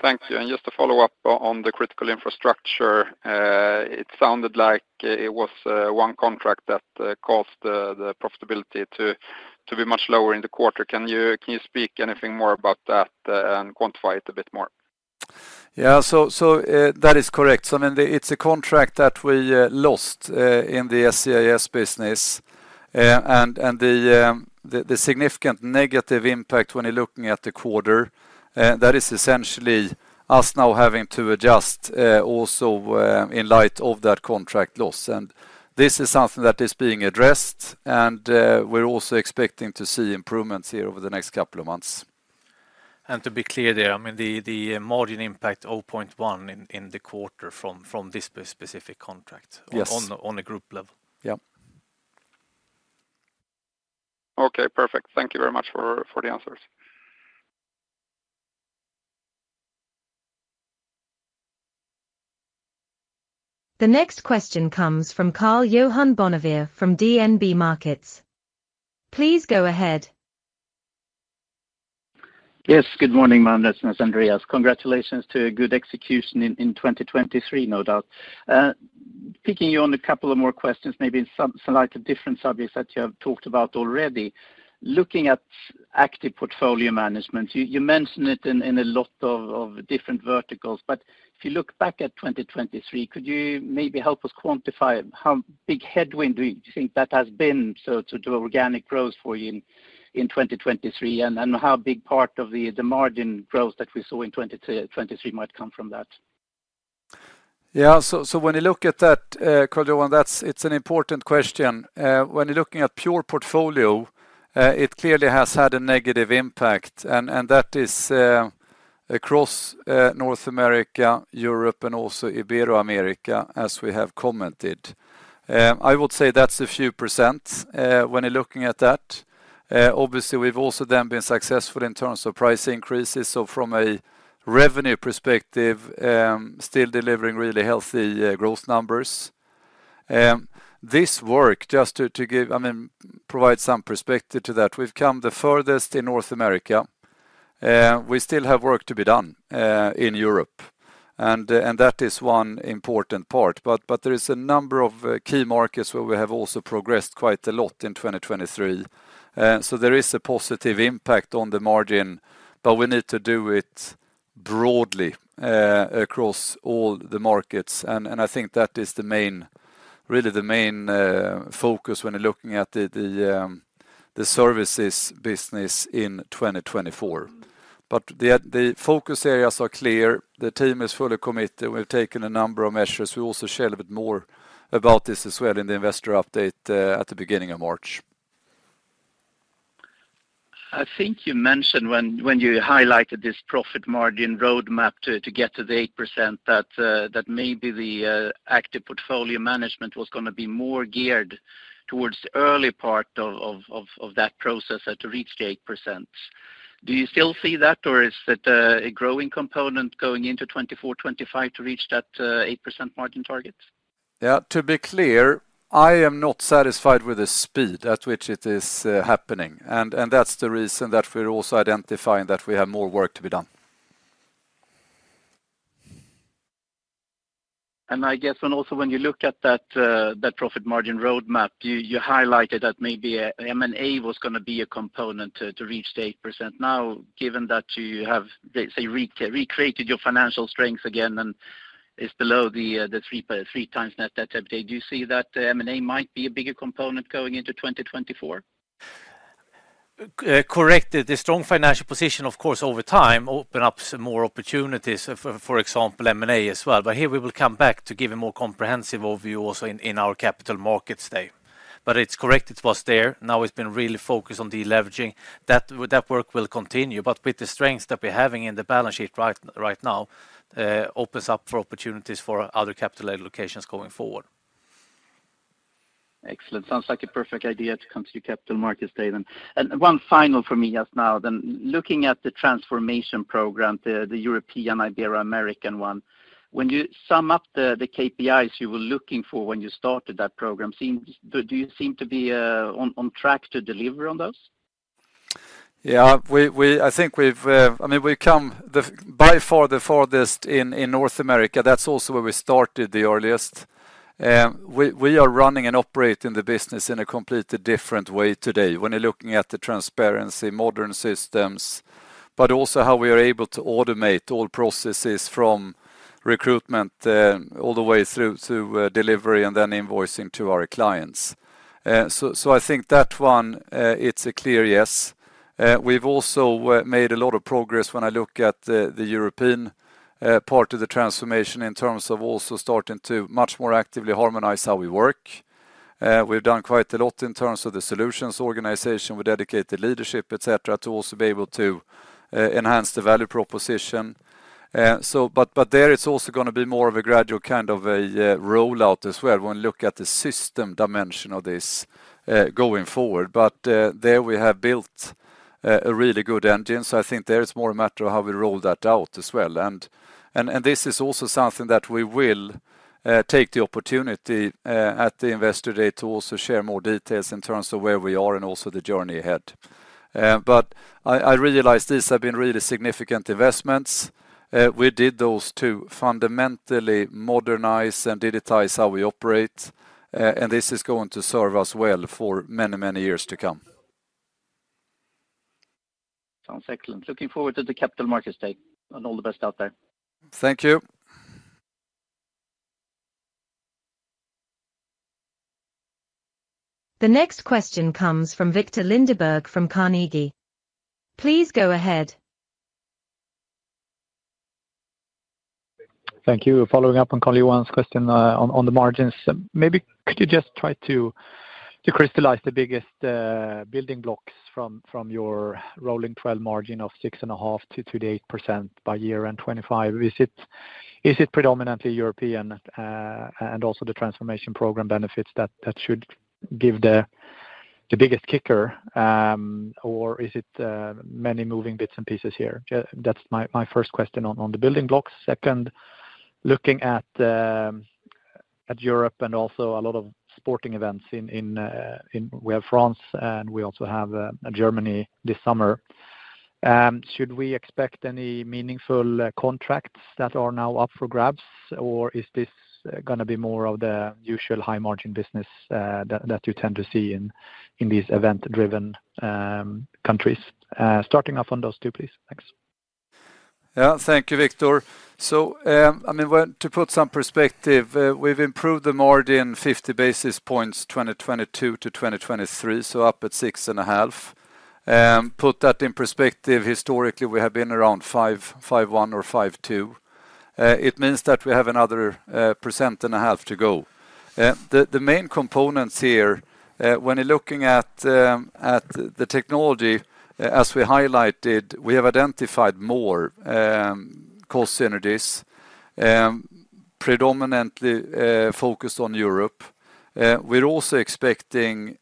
Thank you. Just to follow up on the critical infrastructure, it sounded like it was one contract that caused the profitability to be much lower in the quarter. Can you speak anything more about that and quantify it a bit more? Yeah, so that is correct. So, I mean, it's a contract that we lost in the SCIS business. And the significant negative impact when you're looking at the quarter, that is essentially us now having to adjust also in light of that contract loss. And this is something that is being addressed, and we're also expecting to see improvements here over the next couple of months. To be clear there, I mean, the margin impact, 0.1 in the quarter from this specific contract- Yes... on a group level. Yeah. Okay, perfect. Thank you very much for the answers. ... The next question comes from Karl-Johan Bonnevier from DNB Markets. Please go ahead. Yes, good morning, Magnus and Andreas. Congratulations to a good execution in 2023, no doubt. Picking you on a couple of more questions, maybe in some slightly different subjects that you have talked about already. Looking at active portfolio management, you mentioned it in a lot of different verticals, but if you look back at 2023, could you maybe help us quantify how big headwind do you think that has been, so to organic growth for you in 2023, and how big part of the margin growth that we saw in 2023 might come from that? Yeah. So when you look at that, Karl Johan, that's, it's an important question. When you're looking at pure portfolio, it clearly has had a negative impact, and that is across North America, Europe, and also Ibero-America, as we have commented. I would say that's a few percent when you're looking at that. Obviously, we've also then been successful in terms of price increases, so from a revenue perspective, still delivering really healthy growth numbers. This work, just to give... I mean, provide some perspective to that, we've come the furthest in North America. We still have work to be done in Europe, and that is one important part, but there is a number of key markets where we have also progressed quite a lot in 2023.So there is a positive impact on the margin, but we need to do it broadly, across all the markets. And I think that is the main, really the main, focus when you're looking at the services business in 2024. But the focus areas are clear. The team is fully committed. We've taken a number of measures. We'll also share a bit more about this as well in the investor update, at the beginning of March. I think you mentioned when you highlighted this profit margin roadmap to get to the 8%, that maybe the active portfolio management was gonna be more geared towards the early part of that process to reach the 8%. Do you still see that, or is it a growing component going into 2024, 2025 to reach that 8% margin target? Yeah, to be clear, I am not satisfied with the speed at which it is happening, and that's the reason that we're also identifying that we have more work to be done. I guess when also when you look at that profit margin roadmap, you highlighted that maybe M&A was gonna be a component to reach the 8%. Now, given that you have, let's say, recreated your financial strength again and is below the 3x net debt EBITDA, do you see that the M&A might be a bigger component going into 2024? Correct. The strong financial position, of course, over time, open up some more opportunities for, for example, M&A as well. But here, we will come back to give a more comprehensive overview also in, in our Capital Markets Day. But it's correct, it was there. Now it's been really focused on deleveraging. That work will continue, but with the strengths that we're having in the balance sheet right, right now, opens up for opportunities for other capital allocations going forward. Excellent. Sounds like a perfect idea to come to your Capital Markets Day then. And one final for me just now then. Looking at the transformation program, the European, Ibero-American one, when you sum up the KPIs you were looking for when you started that program, do you seem to be on track to deliver on those? Yeah, we. I think we've, I mean, we've come by far, the farthest in North America. That's also where we started the earliest. We are running and operating the business in a completely different way today when you're looking at the transparency, modern systems, but also how we are able to automate all processes from recruitment all the way through to delivery and then invoicing to our clients. So, so I think that one, it's a clear yes. We've also made a lot of progress when I look at the European part of the transformation in terms of also starting to much more actively harmonize how we work. We've done quite a lot in terms of the solutions organization, with dedicated leadership, et cetera, to also be able to enhance the value proposition. So but there it's also gonna be more of a gradual kind of a rollout as well when we look at the system dimension of this going forward. But there we have built a really good engine, so I think there it's more a matter of how we roll that out as well. And this is also something that we will take the opportunity at the Investor Day to also share more details in terms of where we are and also the journey ahead. But I realize these have been really significant investments. We did those to fundamentally modernize and digitize how we operate, and this is going to serve us well for many, many years to come. Sounds excellent. Looking forward to the Capital Markets Day, and all the best out there. Thank you. The next question comes from Viktor Lindeberg from Carnegie. Please go ahead. Thank you. Following up on Karl Johan's question, on the margins, maybe could you just try to crystallize the biggest building blocks from your rolling trial margin of 6.5% to the 8% by year-end 2025? Is it predominantly European, and also the transformation program benefits that should give the biggest kicker, or is it many moving bits and pieces here? Yeah, that's my first question on the building blocks. Second, looking at Europe and also a lot of sporting events in we have France, and we also have Germany this summer. Should we expect any meaningful contracts that are now up for grabs, or is this gonna be more of the usual high-margin business that you tend to see in these event-driven countries? Starting off on those two, please. Thanks. Yeah. Thank you, Viktor. So, I mean, well, to put some perspective, we've improved the margin 50 basis points, 2022-2023, so up at 6.5%. Put that in perspective, historically, we have been around 5, 5.1, or 5.2. It means that we have another 1.5% to go. The main components here, when you're looking at the technology, as we highlighted, we have identified more cost synergies, predominantly focused on Europe. We're also expecting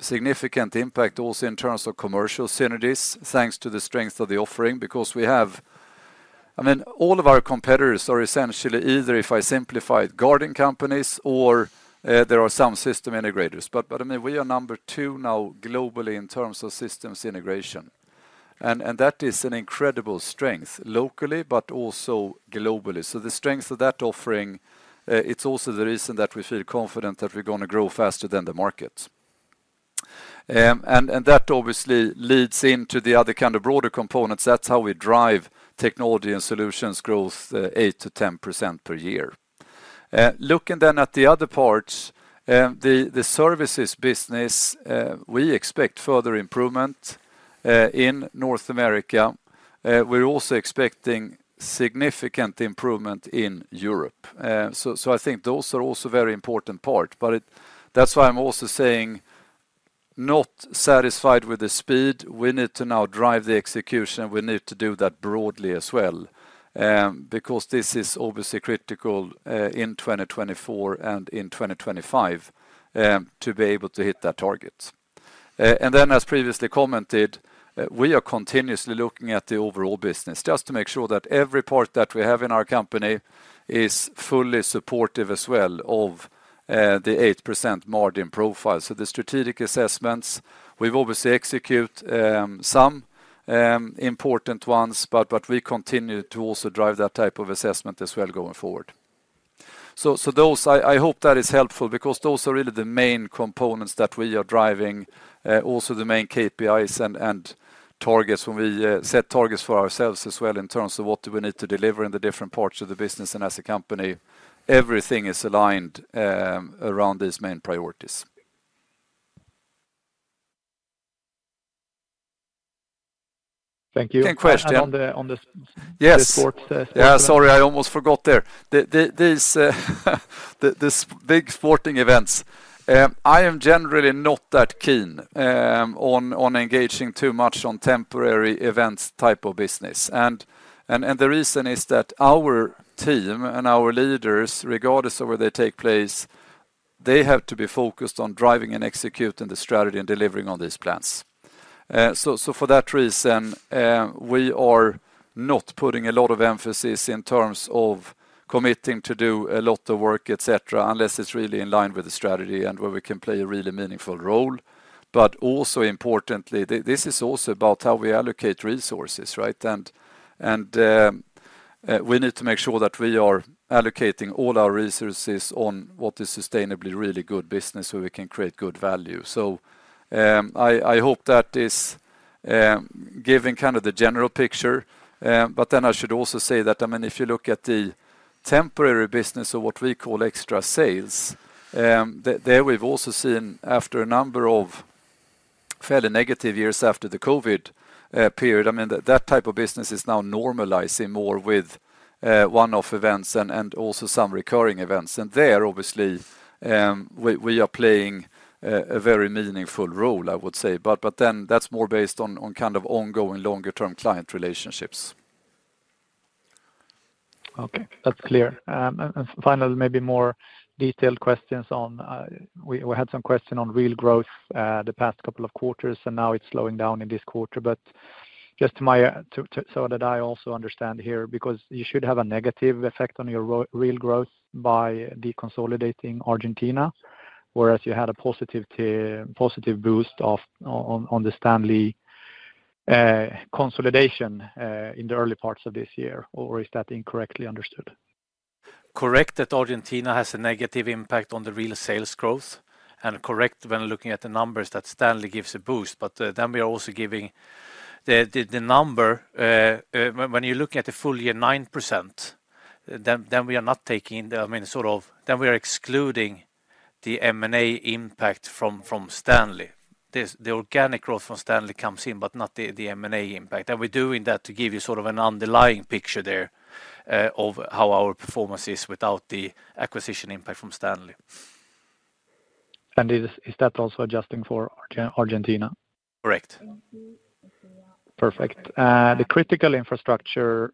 significant impact also in terms of commercial synergies, thanks to the strength of the offering, because we have, I mean, all of our competitors are essentially, either if I simplify it, guarding companies, or there are some system integrators. But I mean, we are number two now globally in terms of systems integration, and that is an incredible strength, locally, but also globally. So the strength of that offering, it's also the reason that we feel confident that we're gonna grow faster than the market. And that obviously leads into the other kind of broader components. That's how we drive technology and solutions growth, 8%-10% per year. Looking then at the other parts, the services business, we expect further improvement in North America. We're also expecting significant improvement in Europe. So I think those are also very important part, but that's why I'm also saying, not satisfied with the speed. We need to now drive the execution. We need to do that broadly as well, because this is obviously critical in 2024 and in 2025 to be able to hit that target. And then, as previously commented, we are continuously looking at the overall business, just to make sure that every part that we have in our company is fully supportive as well of the 8% margin profile. So the strategic assessments, we've obviously execute some important ones, but we continue to also drive that type of assessment as well going forward. So those... I hope that is helpful because those are really the main components that we are driving, also the main KPIs and targets when we set targets for ourselves as well, in terms of what do we need to deliver in the different parts of the business and as a company. Everything is aligned around these main priorities. Thank you. You can question. And on the- Yes -the sports, Yeah, sorry, I almost forgot there. The big sporting events. I am generally not that keen on engaging too much on temporary events type of business. And the reason is that our team and our leaders, regardless of where they take place, they have to be focused on driving and executing the strategy and delivering on these plans. So for that reason, we are not putting a lot of emphasis in terms of committing to do a lot of work, et cetera, unless it's really in line with the strategy and where we can play a really meaningful role. But also importantly, this is also about how we allocate resources, right? We need to make sure that we are allocating all our resources on what is sustainably really good business, so we can create good value. So, I hope that is giving kind of the general picture, but then I should also say that, I mean, if you look at the temporary business or what we call extra sales, there, we've also seen, after a number of fairly negative years after the COVID period, I mean, that type of business is now normalizing more with one-off events and also some recurring events. And there, obviously, we are playing a very meaningful role, I would say. But then that's more based on kind of ongoing, longer-term client relationships. Okay, that's clear. And finally, maybe more detailed questions on... We had some questions on real growth, the past couple of quarters, and now it's slowing down in this quarter. But just to my, so that I also understand here, because you should have a negative effect on your real growth by deconsolidating Argentina, whereas you had a positive boost of, on the Stanley, consolidation, in the early parts of this year, or is that incorrectly understood? Correct, that Argentina has a negative impact on the real sales growth, and correct when looking at the numbers that Stanley gives a boost. But, then we are also giving the number, when you look at the full year 9%, then we are not taking the, I mean, sort of... Then we are excluding the M&A impact from Stanley. The organic growth from Stanley comes in, but not the M&A impact. And we're doing that to give you sort of an underlying picture there, of how our performance is without the acquisition impact from Stanley. Is that also adjusting for Argentina? Correct. Perfect. The critical infrastructure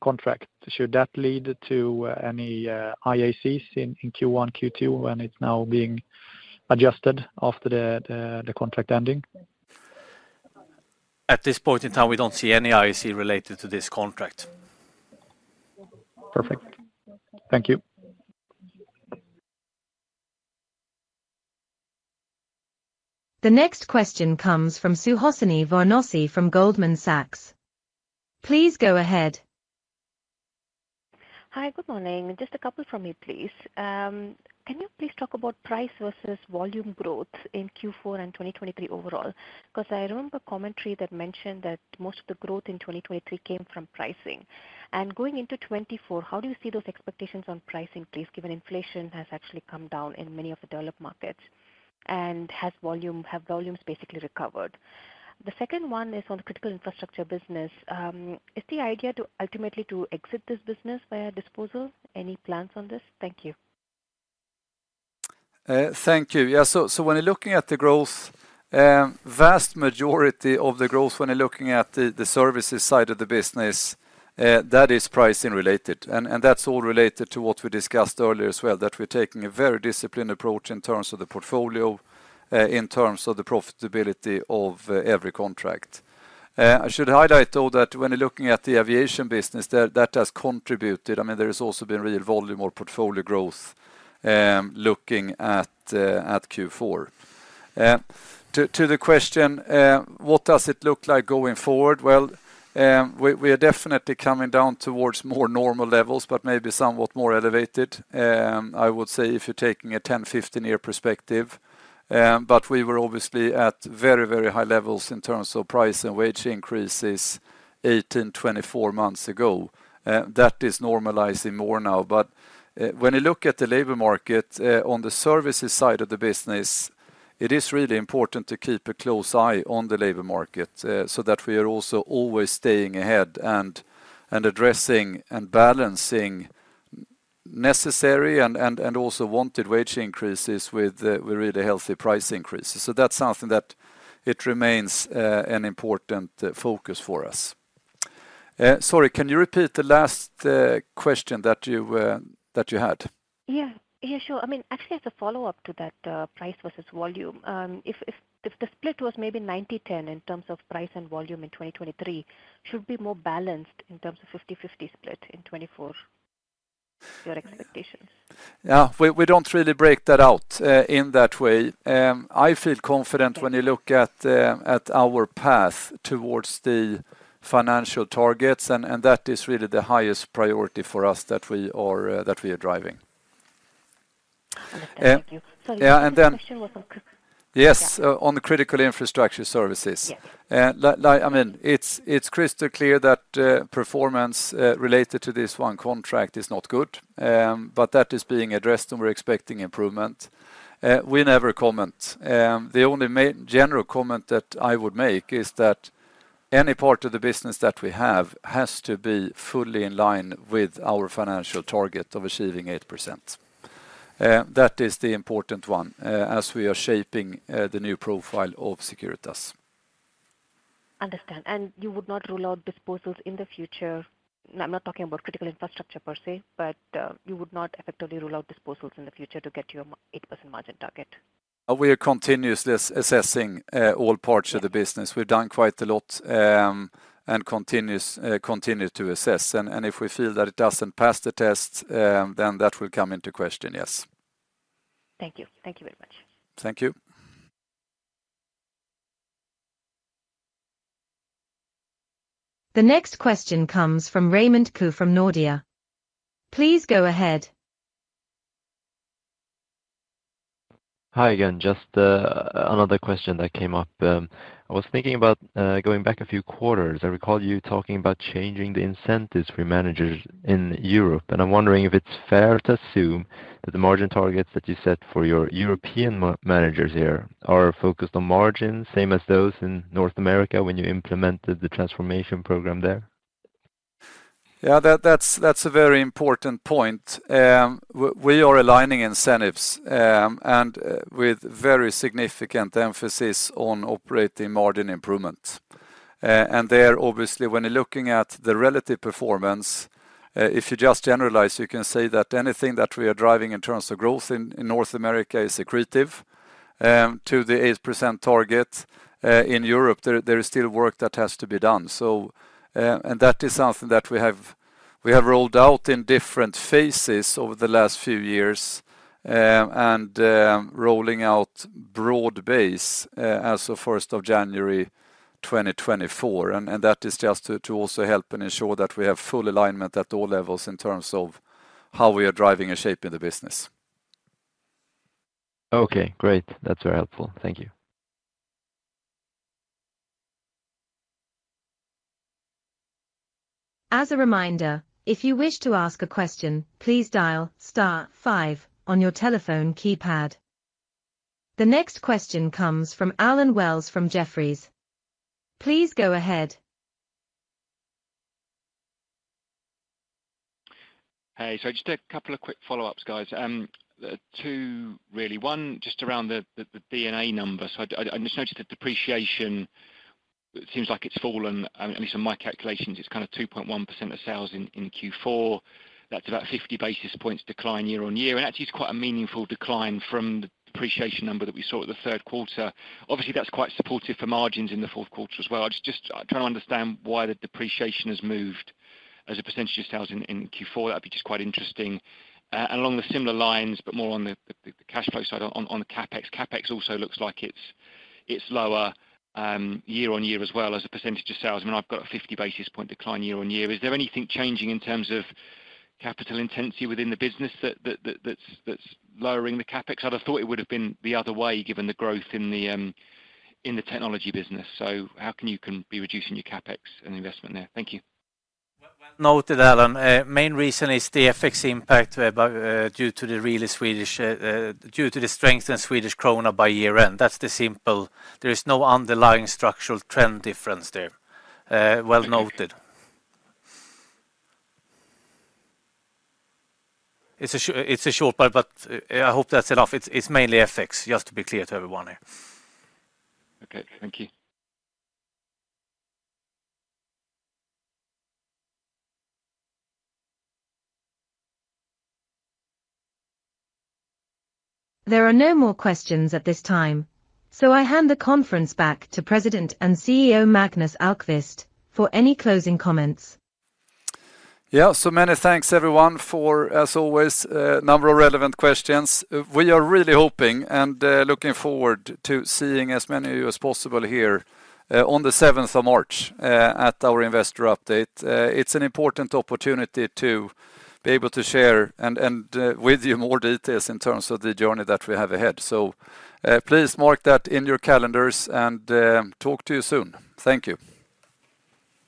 contract, should that lead to any IACs in Q1, Q2, when it's now being adjusted after the contract ending? At this point in time, we don't see any IAC related to this contract. Perfect. Thank you. The next question comes from Suhasini Varanasi from Goldman Sachs. Please go ahead. Hi, good morning. Just a couple from me, please. Can you please talk about price versus volume growth in Q4 and 2023 overall? 'Cause I remember a commentary that mentioned that most of the growth in 2023 came from pricing. And going into 2024, how do you see those expectations on price increase, given inflation has actually come down in many of the developed markets, and have volumes basically recovered? The second one is on the critical infrastructure business. Is the idea to ultimately exit this business via disposal? Any plans on this? Thank you. Thank you. Yeah, so when you're looking at the growth, vast majority of the growth when you're looking at the services side of the business, that is pricing related, and that's all related to what we discussed earlier as well, that we're taking a very disciplined approach in terms of the portfolio, in terms of the profitability of every contract. I should highlight, though, that when you're looking at the aviation business, that has contributed. I mean, there has also been real volume or portfolio growth, looking at Q4. To the question, what does it look like going forward? Well, we are definitely coming down towards more normal levels, but maybe somewhat more elevated.I would say if you're taking a 10, 15-year perspective, but we were obviously at very, very high levels in terms of price and wage increases 18, 24 months ago. That is normalizing more now. But when you look at the labor market, on the services side of the business, it is really important to keep a close eye on the labor market, so that we are also always staying ahead and addressing and balancing necessary and also wanted wage increases with really healthy price increases. So that's something that it remains an important focus for us. Sorry, can you repeat the last question that you had? Yeah. Yeah, sure. I mean, actually, as a follow-up to that, price versus volume, if the split was maybe 90/10 in terms of price and volume in 2023, should it be more balanced in terms of 50/50 split in 2024, your expectations? Yeah, we don't really break that out in that way. I feel confident when you look at our path towards the financial targets, and that is really the highest priority for us that we are driving. Understand. Thank you. Yeah, and then- The question was on CIS. Yes, on the Critical Infrastructure Services. Yes. Like, like I mean, it's, it's crystal clear that performance related to this one contract is not good, but that is being addressed, and we're expecting improvement. We never comment. The only main general comment that I would make is that any part of the business that we have has to be fully in line with our financial target of achieving 8%. That is the important one, as we are shaping the new profile of Securitas. Understand. You would not rule out disposals in the future? I'm not talking about critical infrastructure per se, but you would not effectively rule out disposals in the future to get your 8% margin target? We are continuously assessing all parts of the business. Yeah. We've done quite a lot, and continue to assess. And if we feel that it doesn't pass the test, then that will come into question, yes. Thank you. Thank you very much. Thank you. The next question comes from Raymond Ke from Nordea. Please go ahead. Hi again. Just another question that came up. I was thinking about going back a few quarters. I recall you talking about changing the incentives for managers in Europe, and I'm wondering if it's fair to assume that the margin targets that you set for your European managers here are focused on margins, same as those in North America when you implemented the transformation program there? Yeah, that's a very important point. We are aligning incentives and with very significant emphasis on operating margin improvement. And there, obviously, when you're looking at the relative performance, if you just generalize, you can say that anything that we are driving in terms of growth in North America is accretive to the 8% target. In Europe, there is still work that has to be done. So, and that is something that we have rolled out in different phases over the last few years, and rolling out broad-based as of first of January 2024, and that is just to also help and ensure that we have full alignment at all levels in terms of how we are driving and shaping the business. Okay, great. That's very helpful. Thank you. As a reminder, if you wish to ask a question, please dial star five on your telephone keypad. The next question comes from Allen Wells from Jefferies. Please go ahead.... Hey, so just a couple of quick follow-ups, guys. Two really. One, just around the D&A number. So I just noticed the depreciation; it seems like it's fallen. I mean, at least in my calculations, it's kind of 2.1% of sales in Q4. That's about 50 basis points decline year-on-year, and actually, it's quite a meaningful decline from the depreciation number that we saw at the third quarter. Obviously, that's quite supportive for margins in the fourth quarter as well. I'm trying to understand why the depreciation has moved as a percentage of sales in Q4. That'd be just quite interesting. Along the similar lines, but more on the cash flow side on the CapEx. CapEx also looks like it's lower year-on-year as well as a percentage of sales. I mean, I've got a 50 basis point decline year-on-year. Is there anything changing in terms of capital intensity within the business that's lowering the CapEx? I'd have thought it would have been the other way, given the growth in the technology business. So how can you be reducing your CapEx and investment there? Thank you. Well, well noted, Allen. Main reason is the FX impact, by, due to the really Swedish, due to the strength in Swedish krona by year-end. That's the simple... There is no underlying structural trend difference there. Well noted. Thank you. It's a short, it's a short part, but I hope that's enough. It's, it's mainly FX, just to be clear to everyone here. Okay, thank you. There are no more questions at this time, so I hand the conference back to President and CEO, Magnus Ahlqvist, for any closing comments. Yeah. So many thanks, everyone, for, as always, a number of relevant questions. We are really hoping and looking forward to seeing as many of you as possible here on the seventh of March at our investor update. It's an important opportunity to be able to share and with you more details in terms of the journey that we have ahead. So please mark that in your calendars, and talk to you soon. Thank you.